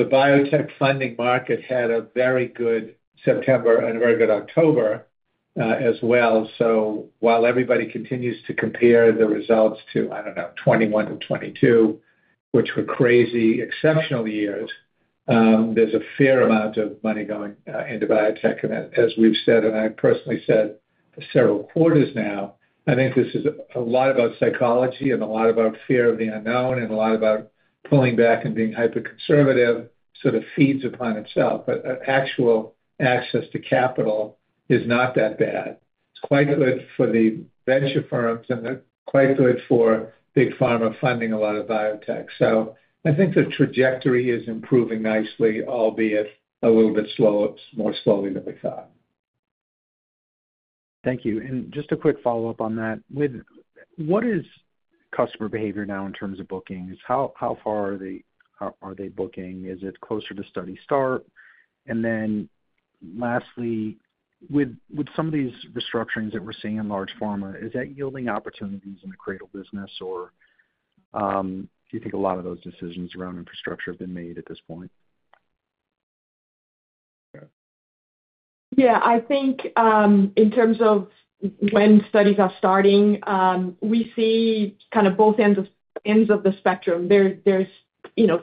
biotech funding market had a very good September and a very good October as well. So, while everybody continues to compare the results to, I don't know, 2021 and 2022, which were crazy exceptional years, there's a fair amount of money going into biotech. And as we've said, and I personally said for several quarters now, I think this is a lot about psychology and a lot about fear of the unknown and a lot about pulling back and being hyper-conservative, sort of feeds upon itself. But actual access to capital is not that bad. It's quite good for the venture firms, and they're quite good for big pharma funding a lot of biotech. So, I think the trajectory is improving nicely, albeit a little bit more slowly than we thought. Thank you. And just a quick follow-up on that. What is customer behavior now in terms of bookings? How far are they booking? Is it closer to study start? And then lastly, with some of these restructurings that we're seeing in large pharma, is that yielding opportunities in the CRADL business, or do you think a lot of those decisions around infrastructure have been made at this point? Yeah. I think in terms of when studies are starting, we see kind of both ends of the spectrum. There's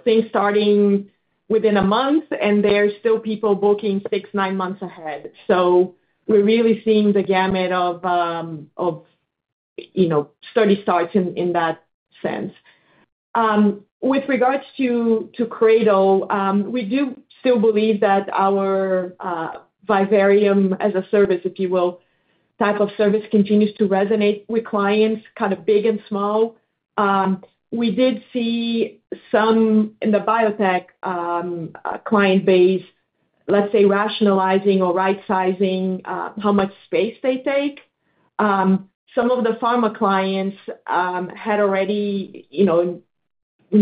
things starting within a month, and there are still people booking six, nine months ahead. So we're really seeing the gamut of study starts in that sense. With regards to CRADL, we do still believe that our vivarium as a service, if you will, type of service continues to resonate with clients, kind of big and small. We did see some in the biotech client base, let's say, rationalizing or right-sizing how much space they take. Some of the pharma clients had already, in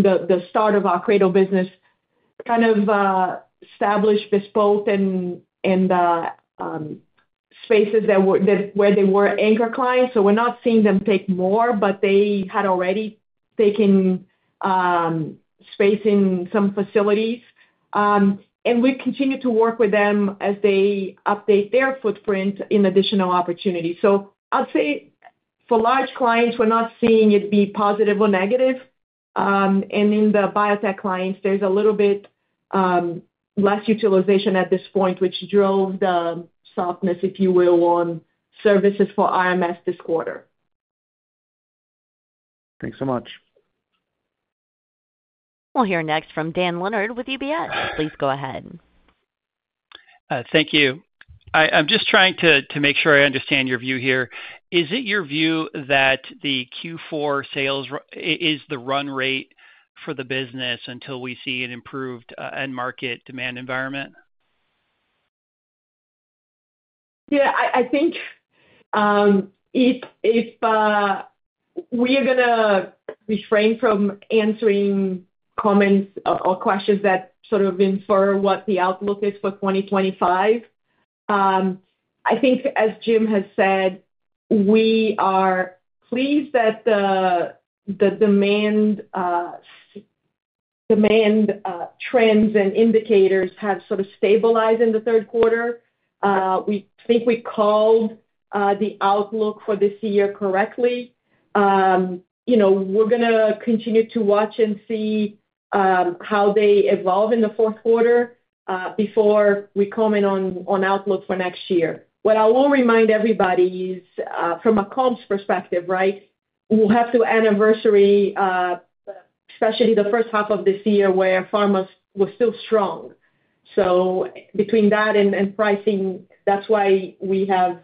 the start of our CRADL business, kind of established bespoke and spaces where they were anchor clients. So we're not seeing them take more, but they had already taken space in some facilities. And we continue to work with them as they update their footprint in additional opportunities. So I'll say for large clients, we're not seeing it be positive or negative. In the biotech clients, there's a little bit less utilization at this point, which drove the softness, if you will, on services for RMS this quarter. Thanks so much. We'll hear next from Dan Leonard with UBS. Please go ahead. Thank you. I'm just trying to make sure I understand your view here. Is it your view that the Q4 sales is the run rate for the business until we see an improved end-market demand environment? Yeah. I think if we are going to refrain from answering comments or questions that sort of infer what the outlook is for 2025, I think, as Jim has said, we are pleased that the demand trends and indicators have sort of stabilized in the third quarter. We think we called the outlook for this year correctly. We're going to continue to watch and see how they evolve in the fourth quarter before we comment on outlook for next year. What I will remind everybody is, from a comps perspective, right, we'll have to anniversary, especially the first half of this year, where pharma was still strong. So between that and pricing, that's why we have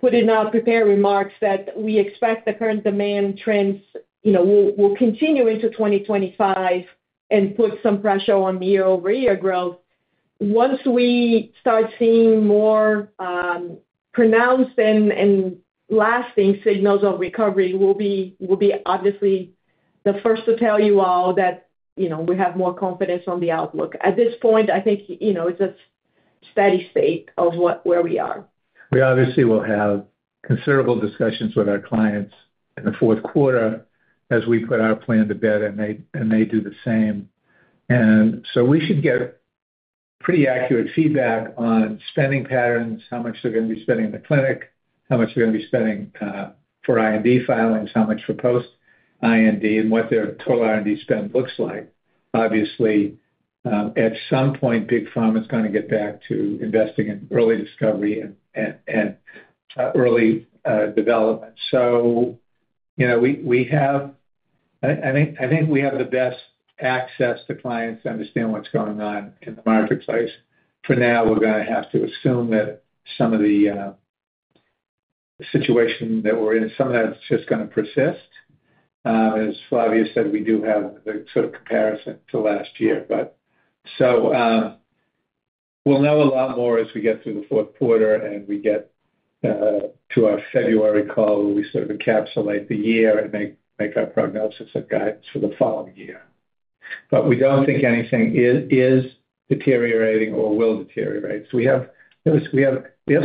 put in our prepared remarks that we expect the current demand trends will continue into 2025 and put some pressure on year-over-year growth. Once we start seeing more pronounced and lasting signals of recovery, we'll be obviously the first to tell you all that we have more confidence on the outlook. At this point, I think it's a steady state of where we are. We obviously will have considerable discussions with our clients in the fourth quarter as we put our plan to bed, and they do the same. And so we should get pretty accurate feedback on spending patterns, how much they're going to be spending in the clinic, how much they're going to be spending for IND filings, how much for post-IND, and what their total IND spend looks like. Obviously, at some point, big pharma is going to get back to investing in early discovery and early development. So, I think we have the best access to clients to understand what's going on in the marketplace. For now, we're going to have to assume that some of the situation that we're in, some of that's just going to persist. As Flavia said, we do have the sort of comparison to last year. So we'll know a lot more as we get through the fourth quarter and we get to our February call, where we sort of encapsulate the year and make our prognosis and guidance for the following year. But we don't think anything is deteriorating or will deteriorate. So we have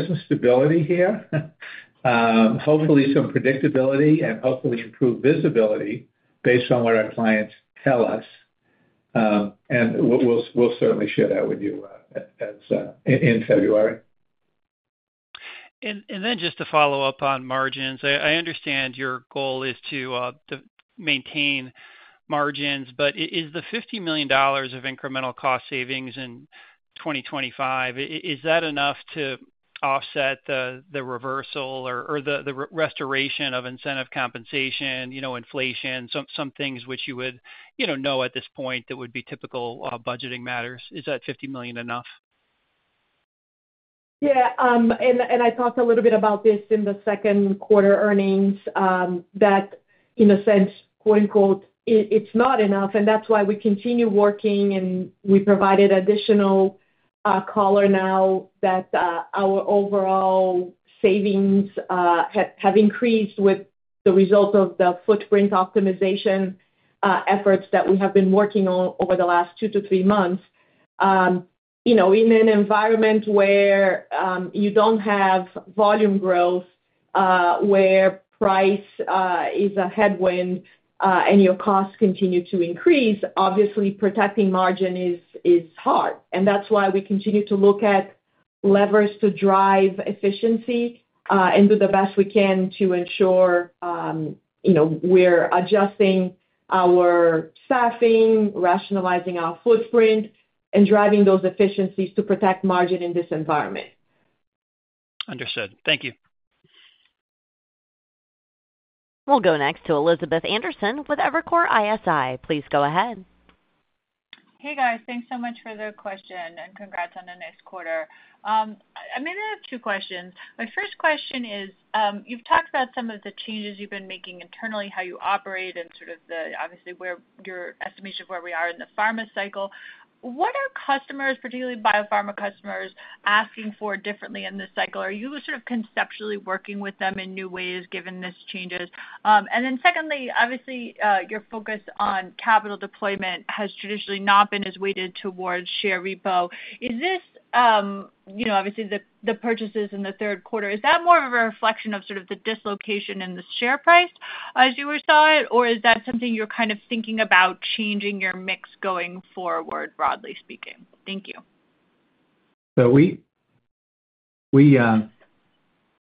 some stability here, hopefully some predictability, and hopefully improved visibility based on what our clients tell us. And we'll certainly share that with you in February. And then just to follow up on margins, I understand your goal is to maintain margins, but is the $50 million of incremental cost savings in 2025, is that enough to offset the reversal or the restoration of incentive compensation, inflation, some things which you would know at this point that would be typical budgeting matters? Is that $50 million enough? Yeah. And I talked a little bit about this in the second quarter earnings, that in a sense, quote-unquote, "it's not enough." And that's why we continue working, and we provided additional color now that our overall savings have increased with the result of the footprint optimization efforts that we have been working on over the last two to three months. In an environment where you don't have volume growth, where price is a headwind, and your costs continue to increase, obviously protecting margin is hard. And that's why we continue to look at levers to drive efficiency and do the best we can to ensure we're adjusting our staffing, rationalizing our footprint, and driving those efficiencies to protect margin in this environment. Understood. Thank you. We'll go next to Elizabeth Anderson with Evercore ISI. Please go ahead. Hey, guys. Thanks so much for the question, and congrats on the next quarter. I may have two questions. My first question is, you've talked about some of the changes you've been making internally, how you operate, and sort of obviously your estimation of where we are in the pharma cycle. What are customers, particularly biopharma customers, asking for differently in this cycle? Are you sort of conceptually working with them in new ways given these changes? And then secondly, obviously, your focus on capital deployment has traditionally not been as weighted towards share repo. Is this, obviously, the purchases in the third quarter, is that more of a reflection of sort of the dislocation in the share price as you saw it, or is that something you're kind of thinking about changing your mix going forward, broadly speaking? Thank you. So we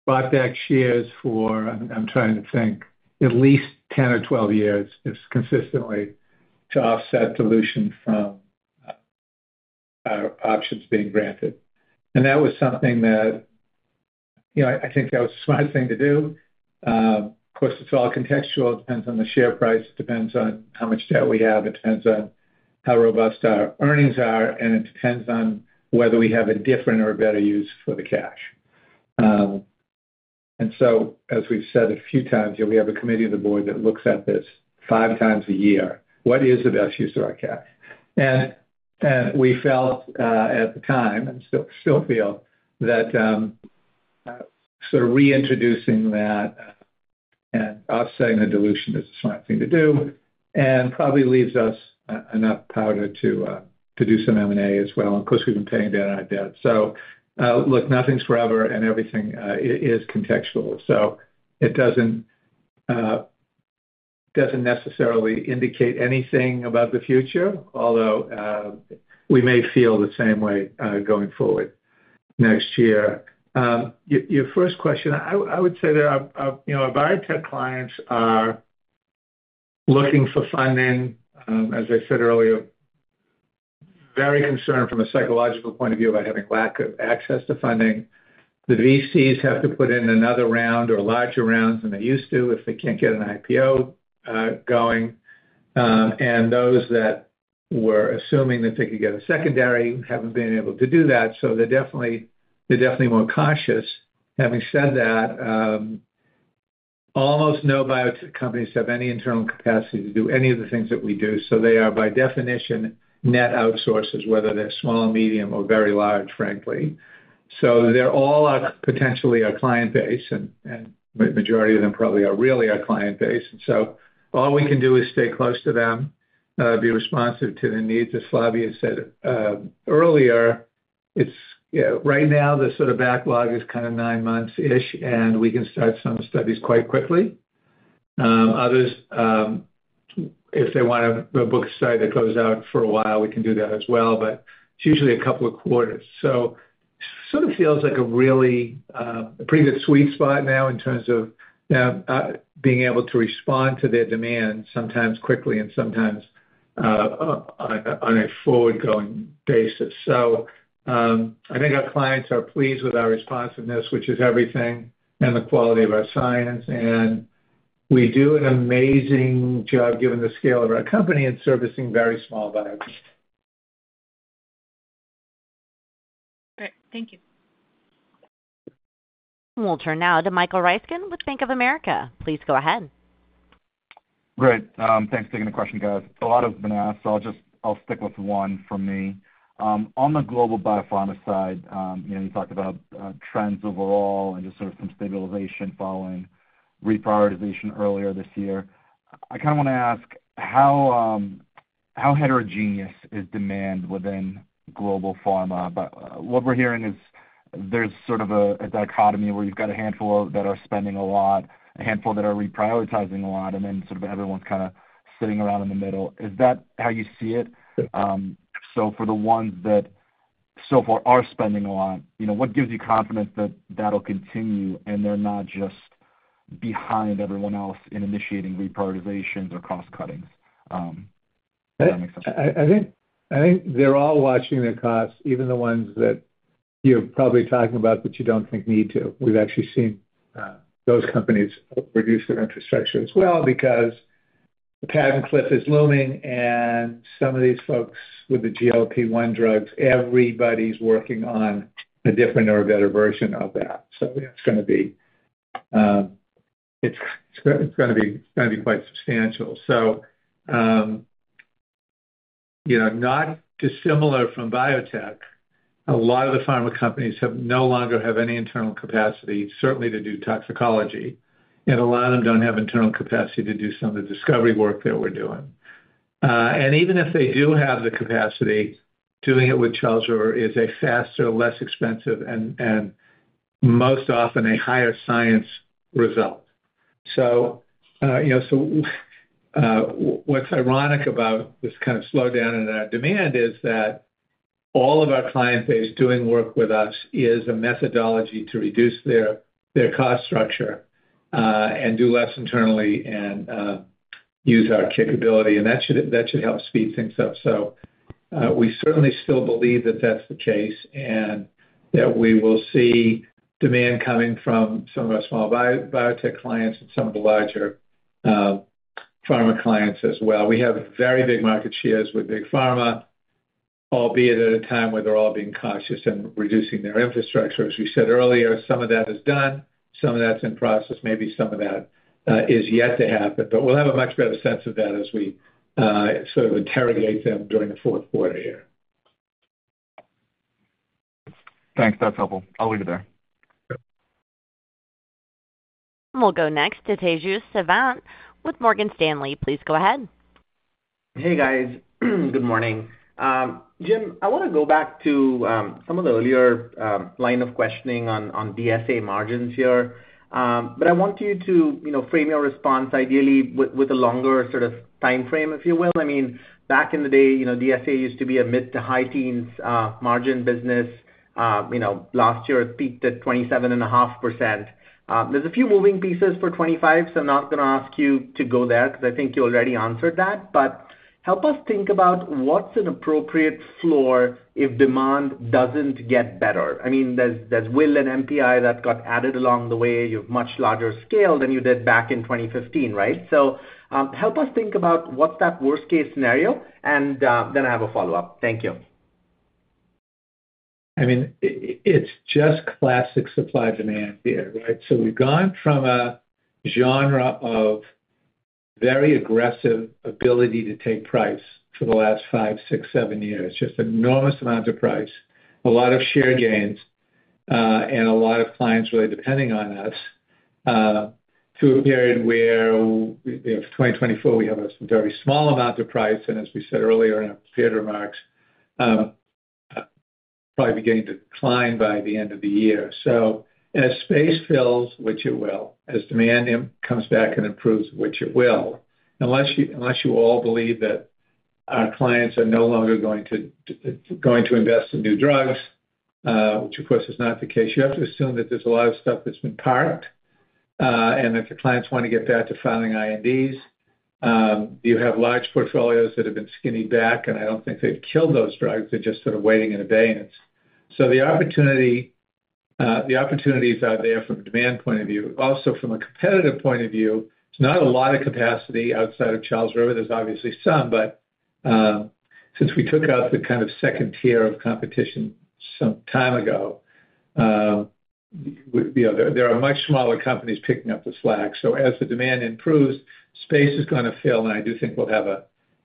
bought back shares for, I'm trying to think, at least 10 or 12 years consistently to offset dilution from options being granted. And that was something that I think that was the smart thing to do. Of course, it's all contextual. It depends on the share price. It depends on how much debt we have. It depends on how robust our earnings are, and it depends on whether we have a different or a better use for the cash. And so, as we've said a few times, we have a committee of the board that looks at this five times a year. What is the best use of our cash? And we felt at the time, and still feel, that sort of reintroducing that and offsetting the dilution is a smart thing to do and probably leaves us enough powder to do some M&A as well. Of course, we've been paying down our debt. So look, nothing's forever, and everything is contextual. So it doesn't necessarily indicate anything about the future, although we may feel the same way going forward next year. Your first question, I would say that our biotech clients are looking for funding. As I said earlier, very concerned from a psychological point of view about having lack of access to funding. The VCs have to put in another round or larger rounds than they used to if they can't get an IPO going. And those that were assuming that they could get a secondary haven't been able to do that. So they're definitely more cautious. Having said that, almost no biotech companies have any internal capacity to do any of the things that we do. So they are, by definition, net outsourcers, whether they're small, medium, or very large, frankly. So they're all potentially our client base, and the majority of them probably are really our client base. And so all we can do is stay close to them, be responsive to the needs. As Flavia said earlier, right now, the sort of backlog is kind of nine months-ish, and we can start some studies quite quickly. Others, if they want to book a study that goes out for a while, we can do that as well. But it's usually a couple of quarters. So it sort of feels like a pretty good sweet spot now in terms of being able to respond to their demand sometimes quickly and sometimes on a forward-going basis. So I think our clients are pleased with our responsiveness, which is everything, and the quality of our science. And we do an amazing job given the scale of our company and servicing very small values. Great. Thank you. We'll turn now to Michael Ryskin with Bank of America. Please go ahead. Great. Thanks for taking the question, guys. A lot has been asked. I'll stick with one from me. On the global biopharma side, you talked about trends overall and just sort of some stabilization following reprioritization earlier this year. I kind of want to ask, how heterogeneous is demand within global pharma? What we're hearing is there's sort of a dichotomy where you've got a handful that are spending a lot, a handful that are reprioritizing a lot, and then sort of everyone's kind of sitting around in the middle. Is that how you see it? So for the ones that so far are spending a lot, what gives you confidence that that'll continue and they're not just behind everyone else in initiating reprioritizations or cost cuttings? Does that make sense? I think they're all watching their costs, even the ones that you're probably talking about that you don't think need to. We've actually seen those companies reduce their infrastructure as well because the patent cliff is looming, and some of these folks with the GLP-1 drugs, everybody's working on a different or a better version of that. So it's going to be quite substantial. So not dissimilar from biotech, a lot of the pharma companies no longer have any internal capacity, certainly to do toxicology. And a lot of them don't have internal capacity to do some of the discovery work that we're doing. And even if they do have the capacity, doing it with Charles River is a faster, less expensive, and most often a higher science result. So what's ironic about this kind of slowdown in our demand is that all of our client base doing work with us is a methodology to reduce their cost structure and do less internally and use our capability. And that should help speed things up. So we certainly still believe that that's the case and that we will see demand coming from some of our small biotech clients and some of the larger pharma clients as well. We have very big market shares with big pharma, albeit at a time where they're all being cautious and reducing their infrastructure. As we said earlier, some of that is done. Some of that's in process. Maybe some of that is yet to happen. But we'll have a much better sense of that as we sort of interrogate them during the fourth quarter here. Thanks. That's helpful. I'll leave it there. We'll go next to Tejas Savant with Morgan Stanley. Please go ahead. Hey, guys. Good morning. Jim, I want to go back to some of the earlier line of questioning on DSA margins here. But I want you to frame your response, ideally, with a longer sort of time frame, if you will. I mean, back in the day, DSA used to be a mid- to high-teens margin business. Last year, it peaked at 27.5%. There's a few moving pieces for 2025, so I'm not going to ask you to go there because I think you already answered that. But help us think about what's an appropriate floor if demand doesn't get better. I mean, there's WIL and MPI that got added along the way. You have much larger scale than you did back in 2015, right? So help us think about what's the worst-case scenario, and then I have a follow-up. Thank you. I mean, it's just classic supply and demand here, right? So we've gone from an era of very aggressive ability to take price for the last five, six, seven years, just enormous amounts of price, a lot of share gains, and a lot of clients really depending on us to a period where we have 2024, we have a very small amount of price. And as we said earlier in our remarks, probably beginning to decline by the end of the year. As space fills, which it will, as demand comes back and improves, which it will, unless you all believe that our clients are no longer going to invest in new drugs, which, of course, is not the case, you have to assume that there's a lot of stuff that's been parked and that the clients want to get back to filing INDs. You have large portfolios that have been scaled back, and I don't think they've killed those drugs. They're just sort of waiting in abeyance. So the opportunities are there from a demand point of view. Also, from a competitive point of view, there's not a lot of capacity outside of Charles River. There's obviously some, but since we took out the kind of second tier of competition some time ago, there are much smaller companies picking up the slack. So as the demand improves, space is going to fill, and I do think we'll have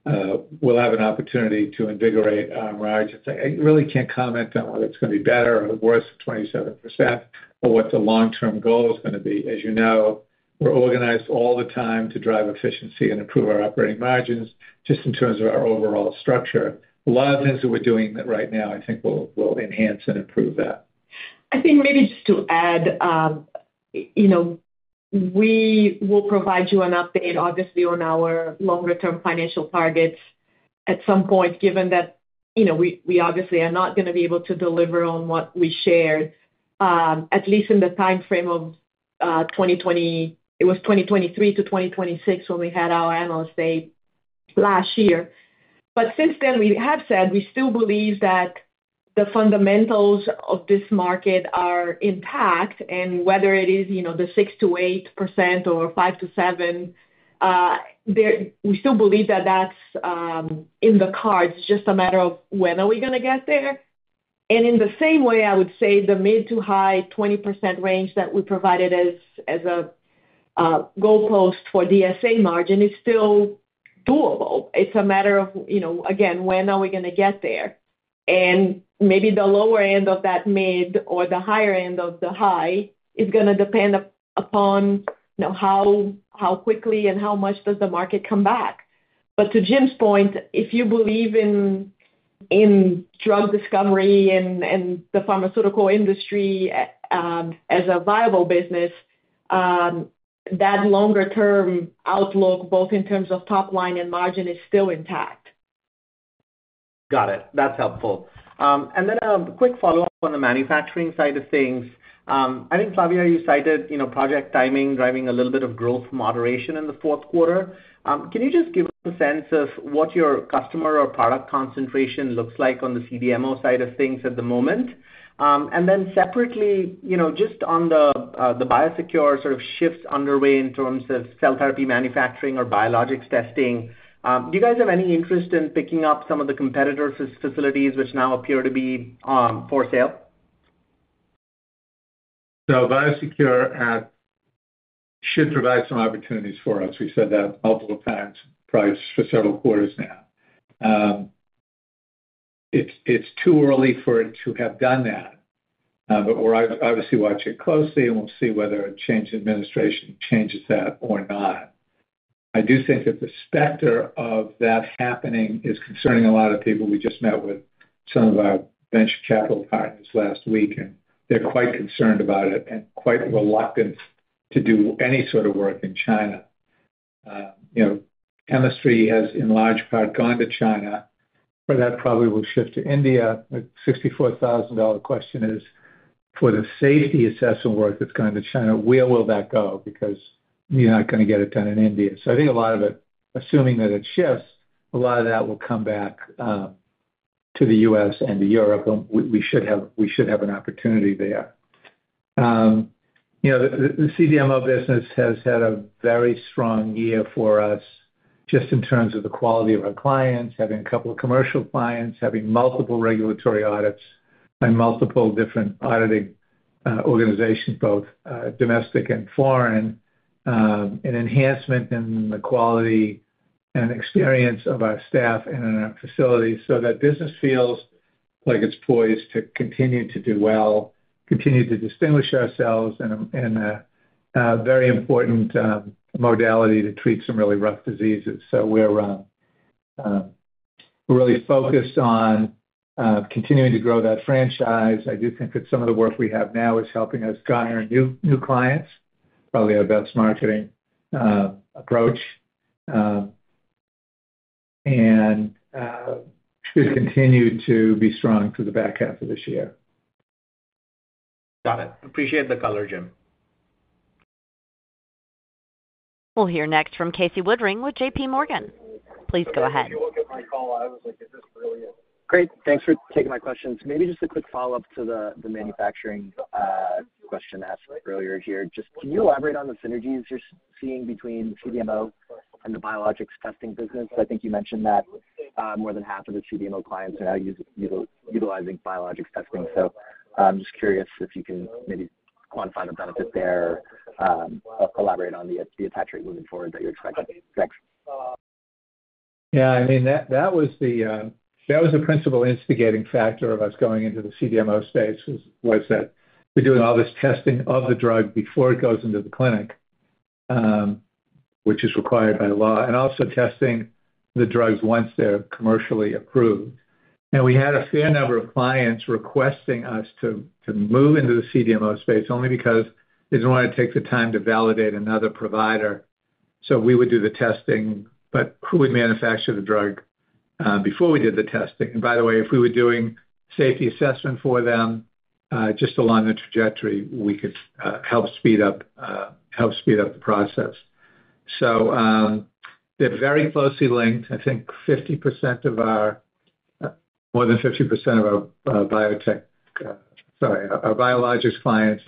an opportunity to invigorate our margins. I really can't comment on whether it's going to be better or worse than 27% or what the long-term goal is going to be. As you know, we're organized all the time to drive efficiency and improve our operating margins just in terms of our overall structure. A lot of things that we're doing right now, I think, will enhance and improve that. I think maybe just to add, we will provide you an update, obviously, on our longer-term financial targets at some point, given that we obviously are not going to be able to deliver on what we shared, at least in the time frame of 2020. It was 2023 to 2026 when we had our analyst day last year. But since then, we have said we still believe that the fundamentals of this market are intact. And whether it is the 6%-8% or 5%-7%, we still believe that that's in the cards. It's just a matter of when are we going to get there. And in the same way, I would say the mid- to high-20% range that we provided as a goalpost for DSA margin is still doable. It's a matter of, again, when are we going to get there? And maybe the lower end of that mid or the higher end of the high is going to depend upon how quickly and how much does the market come back. But to Jim's point, if you believe in drug discovery and the pharmaceutical industry as a viable business, that longer-term outlook, both in terms of top line and margin, is still intact. Got it. That's helpful. And then a quick follow-up on the manufacturing side of things. I think, Flavia, you cited project timing driving a little bit of growth moderation in the fourth quarter. Can you just give us a sense of what your customer or product concentration looks like on the CDMO side of things at the moment? And then separately, just on the BIOSECURE sort of shifts underway in terms of cell therapy manufacturing or biologics testing, do you guys have any interest in picking up some of the competitors' facilities, which now appear to be for sale? So BIOSECURE should provide some opportunities for us. We've said that multiple times for several quarters now. It's too early for it to have done that. But we'll obviously watch it closely, and we'll see whether a change in administration changes that or not.I do think that the specter of that happening is concerning a lot of people. We just met with some of our venture capital partners last week, and they're quite concerned about it and quite reluctant to do any sort of work in China. Chemistry has in large part gone to China, but that probably will shift to India. The $64,000 question is, for the safety assessment work that's gone to China, where will that go? Because you're not going to get it done in India, so I think a lot of it, assuming that it shifts, a lot of that will come back to the U.S. and to Europe, and we should have an opportunity there. The CDMO business has had a very strong year for us just in terms of the quality of our clients, having a couple of commercial clients, having multiple regulatory audits and multiple different auditing organizations, both domestic and foreign, an enhancement in the quality and experience of our staff and in our facilities, so that business feels like it's poised to continue to do well, continue to distinguish ourselves, and a very important modality to treat some really rough diseases, so we're really focused on continuing to grow that franchise. I do think that some of the work we have now is helping us garner new clients, probably our best marketing approach, and should continue to be strong through the back half of this year. Got it. Appreciate the color, Jim. We'll hear next from Casey Woodring with JPMorgan. Please go ahead. I was like, "Is this really it?" Great. Thanks for taking my questions. Maybe just a quick follow-up to the manufacturing question asked earlier here. Just can you elaborate on the synergies you're seeing between CDMO and the biologics testing business? I think you mentioned that more than half of the CDMO clients are now utilizing biologics testing. So I'm just curious if you can maybe quantify the benefit there or elaborate on the attach rate moving forward that you're expecting. Thanks. Yeah. I mean, that was the principal instigating factor of us going into the CDMO space was that we're doing all this testing of the drug before it goes into the clinic, which is required by law, and also testing the drugs once they're commercially approved, and we had a fair number of clients requesting us to move into the CDMO space only because they didn't want to take the time to validate another provider. So we would do the testing, but who would manufacture the drug before we did the testing? And by the way, if we were doing safety assessment for them just along the trajectory, we could help speed up the process. So they're very closely linked. I think 50% of our more than 50% of our biotech sorry, our biologics clients,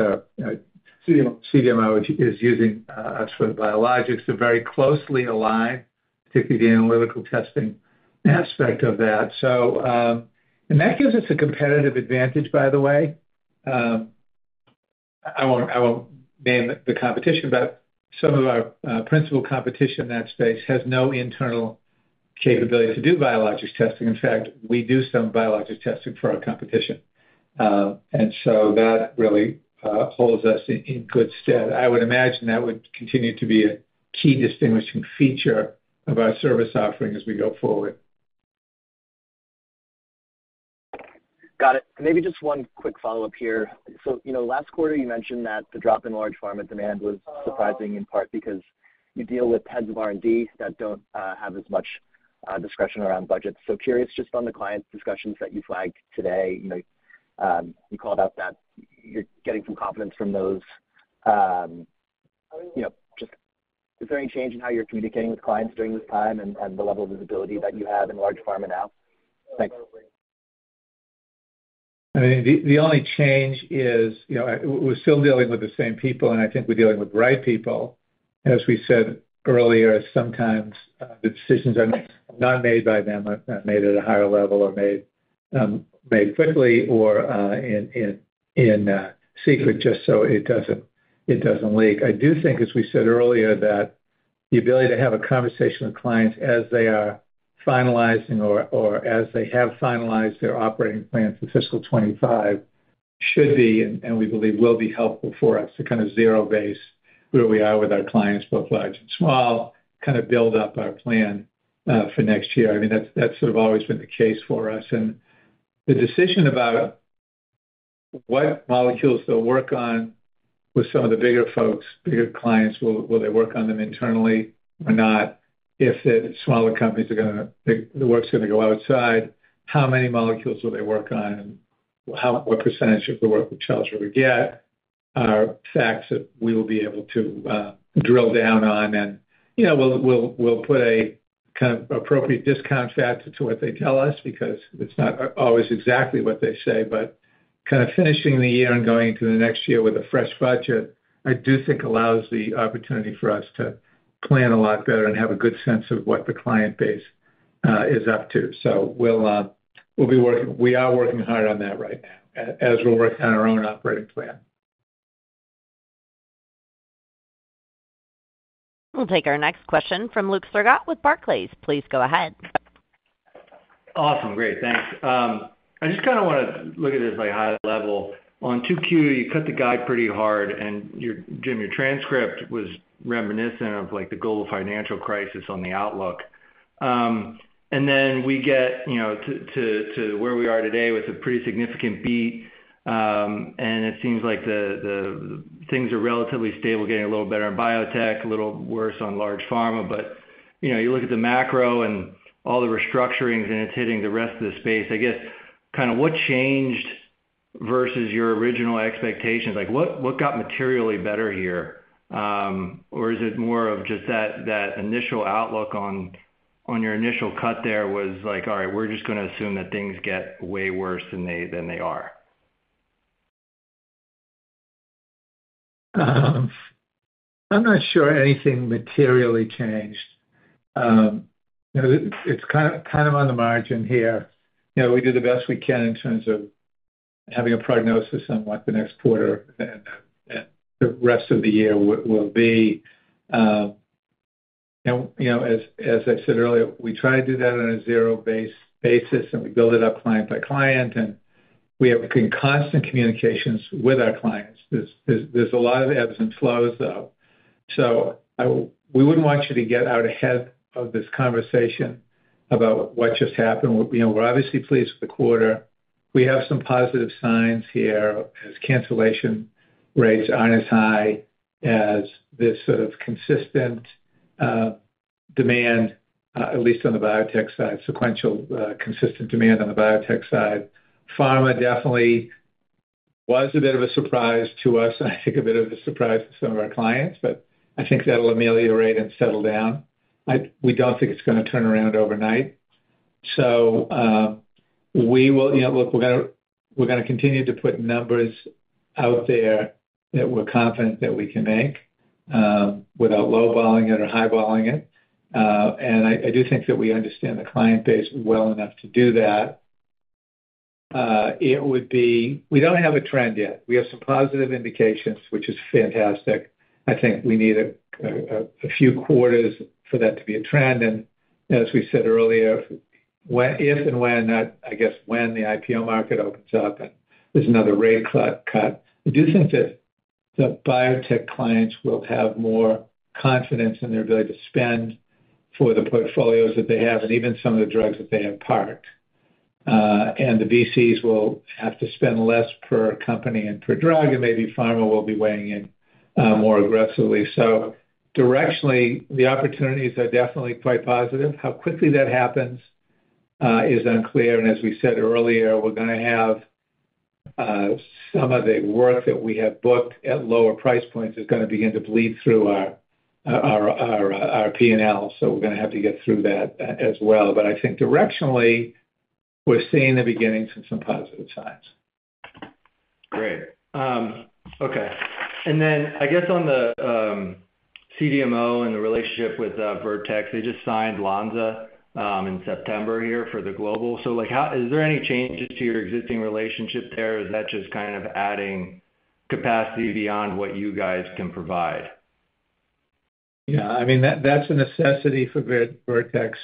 CDMO, is using us for the biologics. They're very closely aligned, particularly the analytical testing aspect of that. And that gives us a competitive advantage, by the way. I won't name the competition, but some of our principal competition in that space has no internal capability to do biologics testing. In fact, we do some biologics testing for our competition. And so that really holds us in good stead. I would imagine that would continue to be a key distinguishing feature of our service offering as we go forward. Got it. Maybe just one quick follow-up here. So last quarter, you mentioned that the drop in large pharma demand was surprising in part because you deal with heads of R&D that don't have as much discretion around budgets. So curious just on the client discussions that you flagged today. You called out that you're getting some confidence from those. Just is there any change in how you're communicating with clients during this time and the level of visibility that you have in large pharma now? Thanks. I mean, the only change is we're still dealing with the same people, and I think we're dealing with the right people. As we said earlier, sometimes the decisions are not made by them, are made at a higher level or made quickly or in secret just so it doesn't leak.I do think, as we said earlier, that the ability to have a conversation with clients as they are finalizing or as they have finalized their operating plans for fiscal 2025 should be, and we believe will be helpful for us to kind of zero base where we are with our clients, both large and small, kind of build up our plan for next year. I mean, that's sort of always been the case for us. And the decision about what molecules they'll work on with some of the bigger folks, bigger clients, will they work on them internally or not? If the smaller companies are going to the work's going to go outside, how many molecules will they work on? What percentage of the work with Charles River get? Are facts that we will be able to drill down on? And we'll put a kind of appropriate discount factor to what they tell us because it's not always exactly what they say. But kind of finishing the year and going into the next year with a fresh budget, I do think allows the opportunity for us to plan a lot better and have a good sense of what the client base is up to. So we are working hard on that right now as we're working on our own operating plan. We'll take our next question from Luke Sergott with Barclays. Please go ahead. Awesome. Great. Thanks. I just kind of want to look at it at a high level. On 2Q, you cut the guidance pretty hard. And, Jim, your transcript was reminiscent of the global financial crisis on the outlook. And then we get to where we are today with a pretty significant beat. It seems like things are relatively stable, getting a little better in biotech, a little worse on large pharma. But you look at the macro and all the restructurings, and it's hitting the rest of the space. I guess kind of what changed versus your original expectations? What got materially better here? Or is it more of just that initial outlook on your initial cut there was like, "All right, we're just going to assume that things get way worse than they are"? I'm not sure anything materially changed. It's kind of on the margin here. We do the best we can in terms of having a prognosis on what the next quarter and the rest of the year will be. As I said earlier, we try to do that on a zero-based basis, and we build it up client by client. We have constant communications with our clients. There's a lot of ebbs and flows, though. So we wouldn't want you to get out ahead of this conversation about what just happened. We're obviously pleased with the quarter. We have some positive signs here as cancellation rates aren't as high as this sort of consistent demand, at least on the biotech side, sequential consistent demand on the biotech side. Pharma definitely was a bit of a surprise to us, and I think a bit of a surprise to some of our clients, but I think that'll ameliorate and settle down. We don't think it's going to turn around overnight. So we will look. We're going to continue to put numbers out there that we're confident that we can make without lowballing it or highballing it. And I do think that we understand the client base well enough to do that. We don't have a trend yet. We have some positive indications, which is fantastic. I think we need a few quarters for that to be a trend, and as we said earlier, if and when that, I guess when the IPO market opens up and there's another rate cut, I do think that the biotech clients will have more confidence in their ability to spend for the portfolios that they have and even some of the drugs that they have parked, and the VCs will have to spend less per company and per drug, and maybe pharma will be weighing in more aggressively, so directionally, the opportunities are definitely quite positive. How quickly that happens is unclear, and as we said earlier, we're going to have some of the work that we have booked at lower price points is going to begin to bleed through our P&L. So we're going to have to get through that as well. But I think directionally, we're seeing the beginnings of some positive signs. Great. Okay. And then I guess on the CDMO and the relationship with Vertex, they just signed Lonza in September here for the global. So is there any changes to your existing relationship there? Is that just kind of adding capacity beyond what you guys can provide? Yeah. I mean, that's a necessity for Vertex.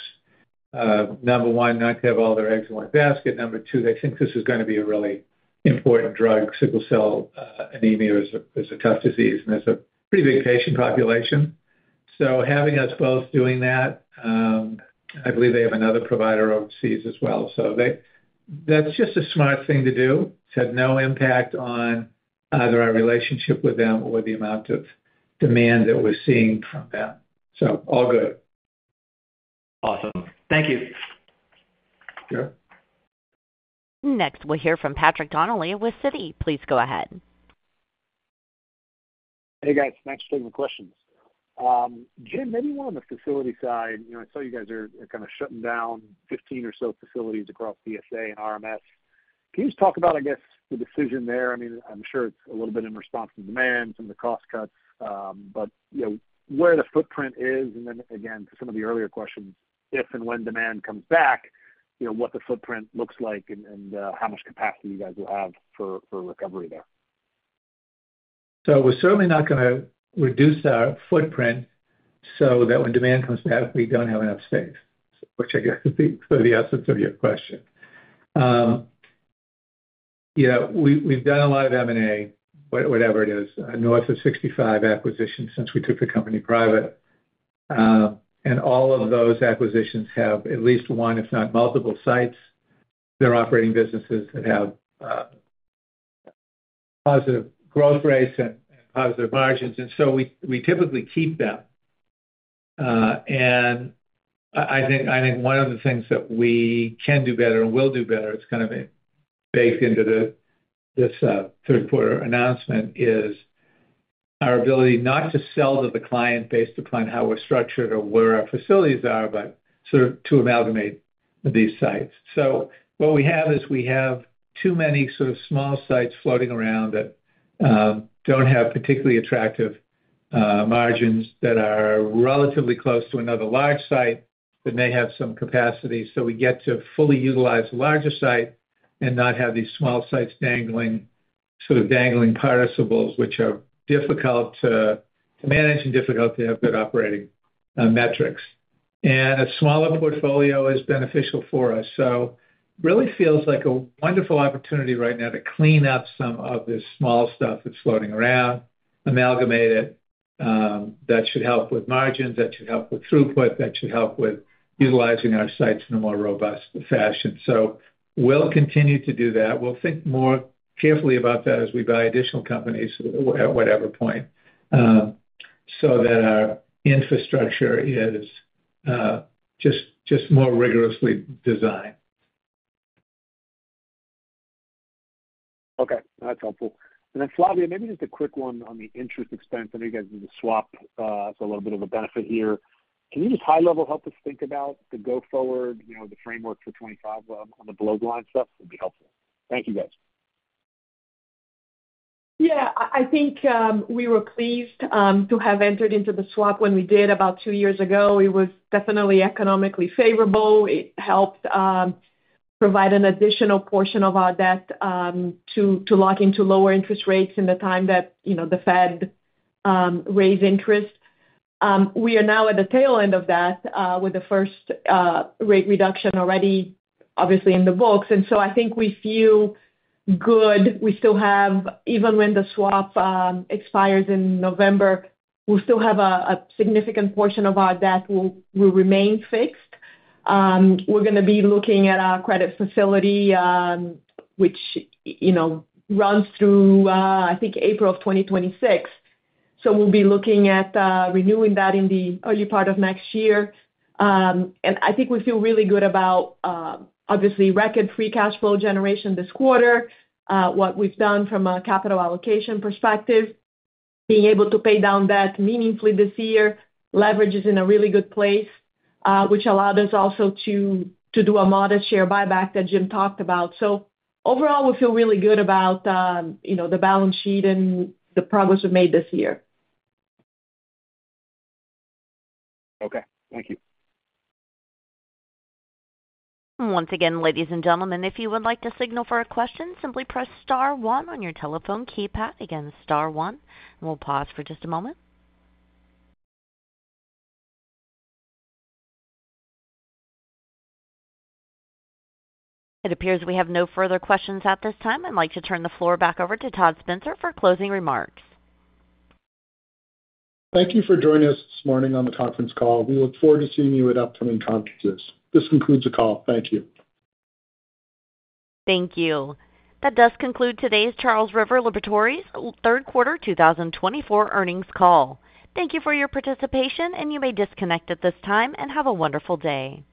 Number one, not to have all their eggs in one basket. Number two, they think this is going to be a really important drug. Sickle cell anemia is a tough disease, and it's a pretty big patient population. So having us both doing that, I believe they have another provider overseas as well. So that's just a smart thing to do. It's had no impact on either our relationship with them or the amount of demand that we're seeing from them. So all good. Awesome. Thank you. Sure. Next, we'll hear from Patrick Donnelly with Citi. Please go ahead. Hey, guys. Thanks for taking the questions. Jim, maybe more on the facility side. I saw you guys are kind of shutting down 15 or so facilities across DSA and RMS. Can you just talk about, I guess, the decision there? I mean, I'm sure it's a little bit in response to demand, some of the cost cuts, but where the footprint is. And then again, to some of the earlier questions, if and when demand comes back, what the footprint looks like and how much capacity you guys will have for recovery there. So we're certainly not going to reduce our footprint so that when demand comes back, we don't have enough space, which I guess is the essence of your question. Yeah. We've done a lot of M&A, whatever it is, north of 65 acquisitions since we took the company private. And all of those acquisitions have at least one, if not multiple sites. They're operating businesses that have positive growth rates and positive margins. And so we typically keep them. And I think one of the things that we can do better and will do better, it's kind of baked into this third-quarter announcement, is our ability not to sell to the client based upon how we're structured or where our facilities are, but sort of to amalgamate these sites. So what we have is we have too many sort of small sites floating around that don't have particularly attractive margins that are relatively close to another large site that may have some capacity. So we get to fully utilize a larger site and not have these small sites sort of dangling participles, which are difficult to manage and difficult to have good operating metrics. And a smaller portfolio is beneficial for us. So it really feels like a wonderful opportunity right now to clean up some of this small stuff that's floating around, amalgamate it. That should help with margins. That should help with throughput. That should help with utilizing our sites in a more robust fashion. So we'll continue to do that. We'll think more carefully about that as we buy additional companies at whatever point so that our infrastructure is just more rigorously designed. Okay. That's helpful. And then Flavia, maybe just a quick one on the interest expense. I know you guys did the swap. It's a little bit of a benefit here. Can you just high-level help us think about the go-forward, the framework for 2025 on the below the line stuff? It'd be helpful. Thank you, guys. Yeah. I think we were pleased to have entered into the swap when we did about two years ago. It was definitely economically favorable. It helped provide an additional portion of our debt to lock into lower interest rates in the time that the Fed raised interest. We are now at the tail end of that with the first rate reduction already, obviously, in the books. And so I think we feel good. We still have, even when the swap expires in November, we'll still have a significant portion of our debt will remain fixed. We're going to be looking at our credit facility, which runs through, I think, April of 2026. So we'll be looking at renewing that in the early part of next year. And I think we feel really good about, obviously, record free cash flow generation this quarter, what we've done from a capital allocation perspective, being able to pay down debt meaningfully this year. Leverage is in a really good place, which allowed us also to do a modest share buyback that Jim talked about. So overall, we feel really good about the balance sheet and the progress we've made this year. Okay. Thank you. Once again, ladies and gentlemen, if you would like to signal for a question, simply press star one on your telephone keypad. Again, star one. And we'll pause for just a moment. It appears we have no further questions at this time. I'd like to turn the floor back over to Todd Spencer for closing remarks. Thank you for joining us this morning on the conference call. We look forward to seeing you at upcoming conferences. This concludes the call. Thank you. Thank you. That does conclude today's Charles River Laboratories third-quarter 2024 earnings call. Thank you for your participation, and you may disconnect at this time and have a wonderful day.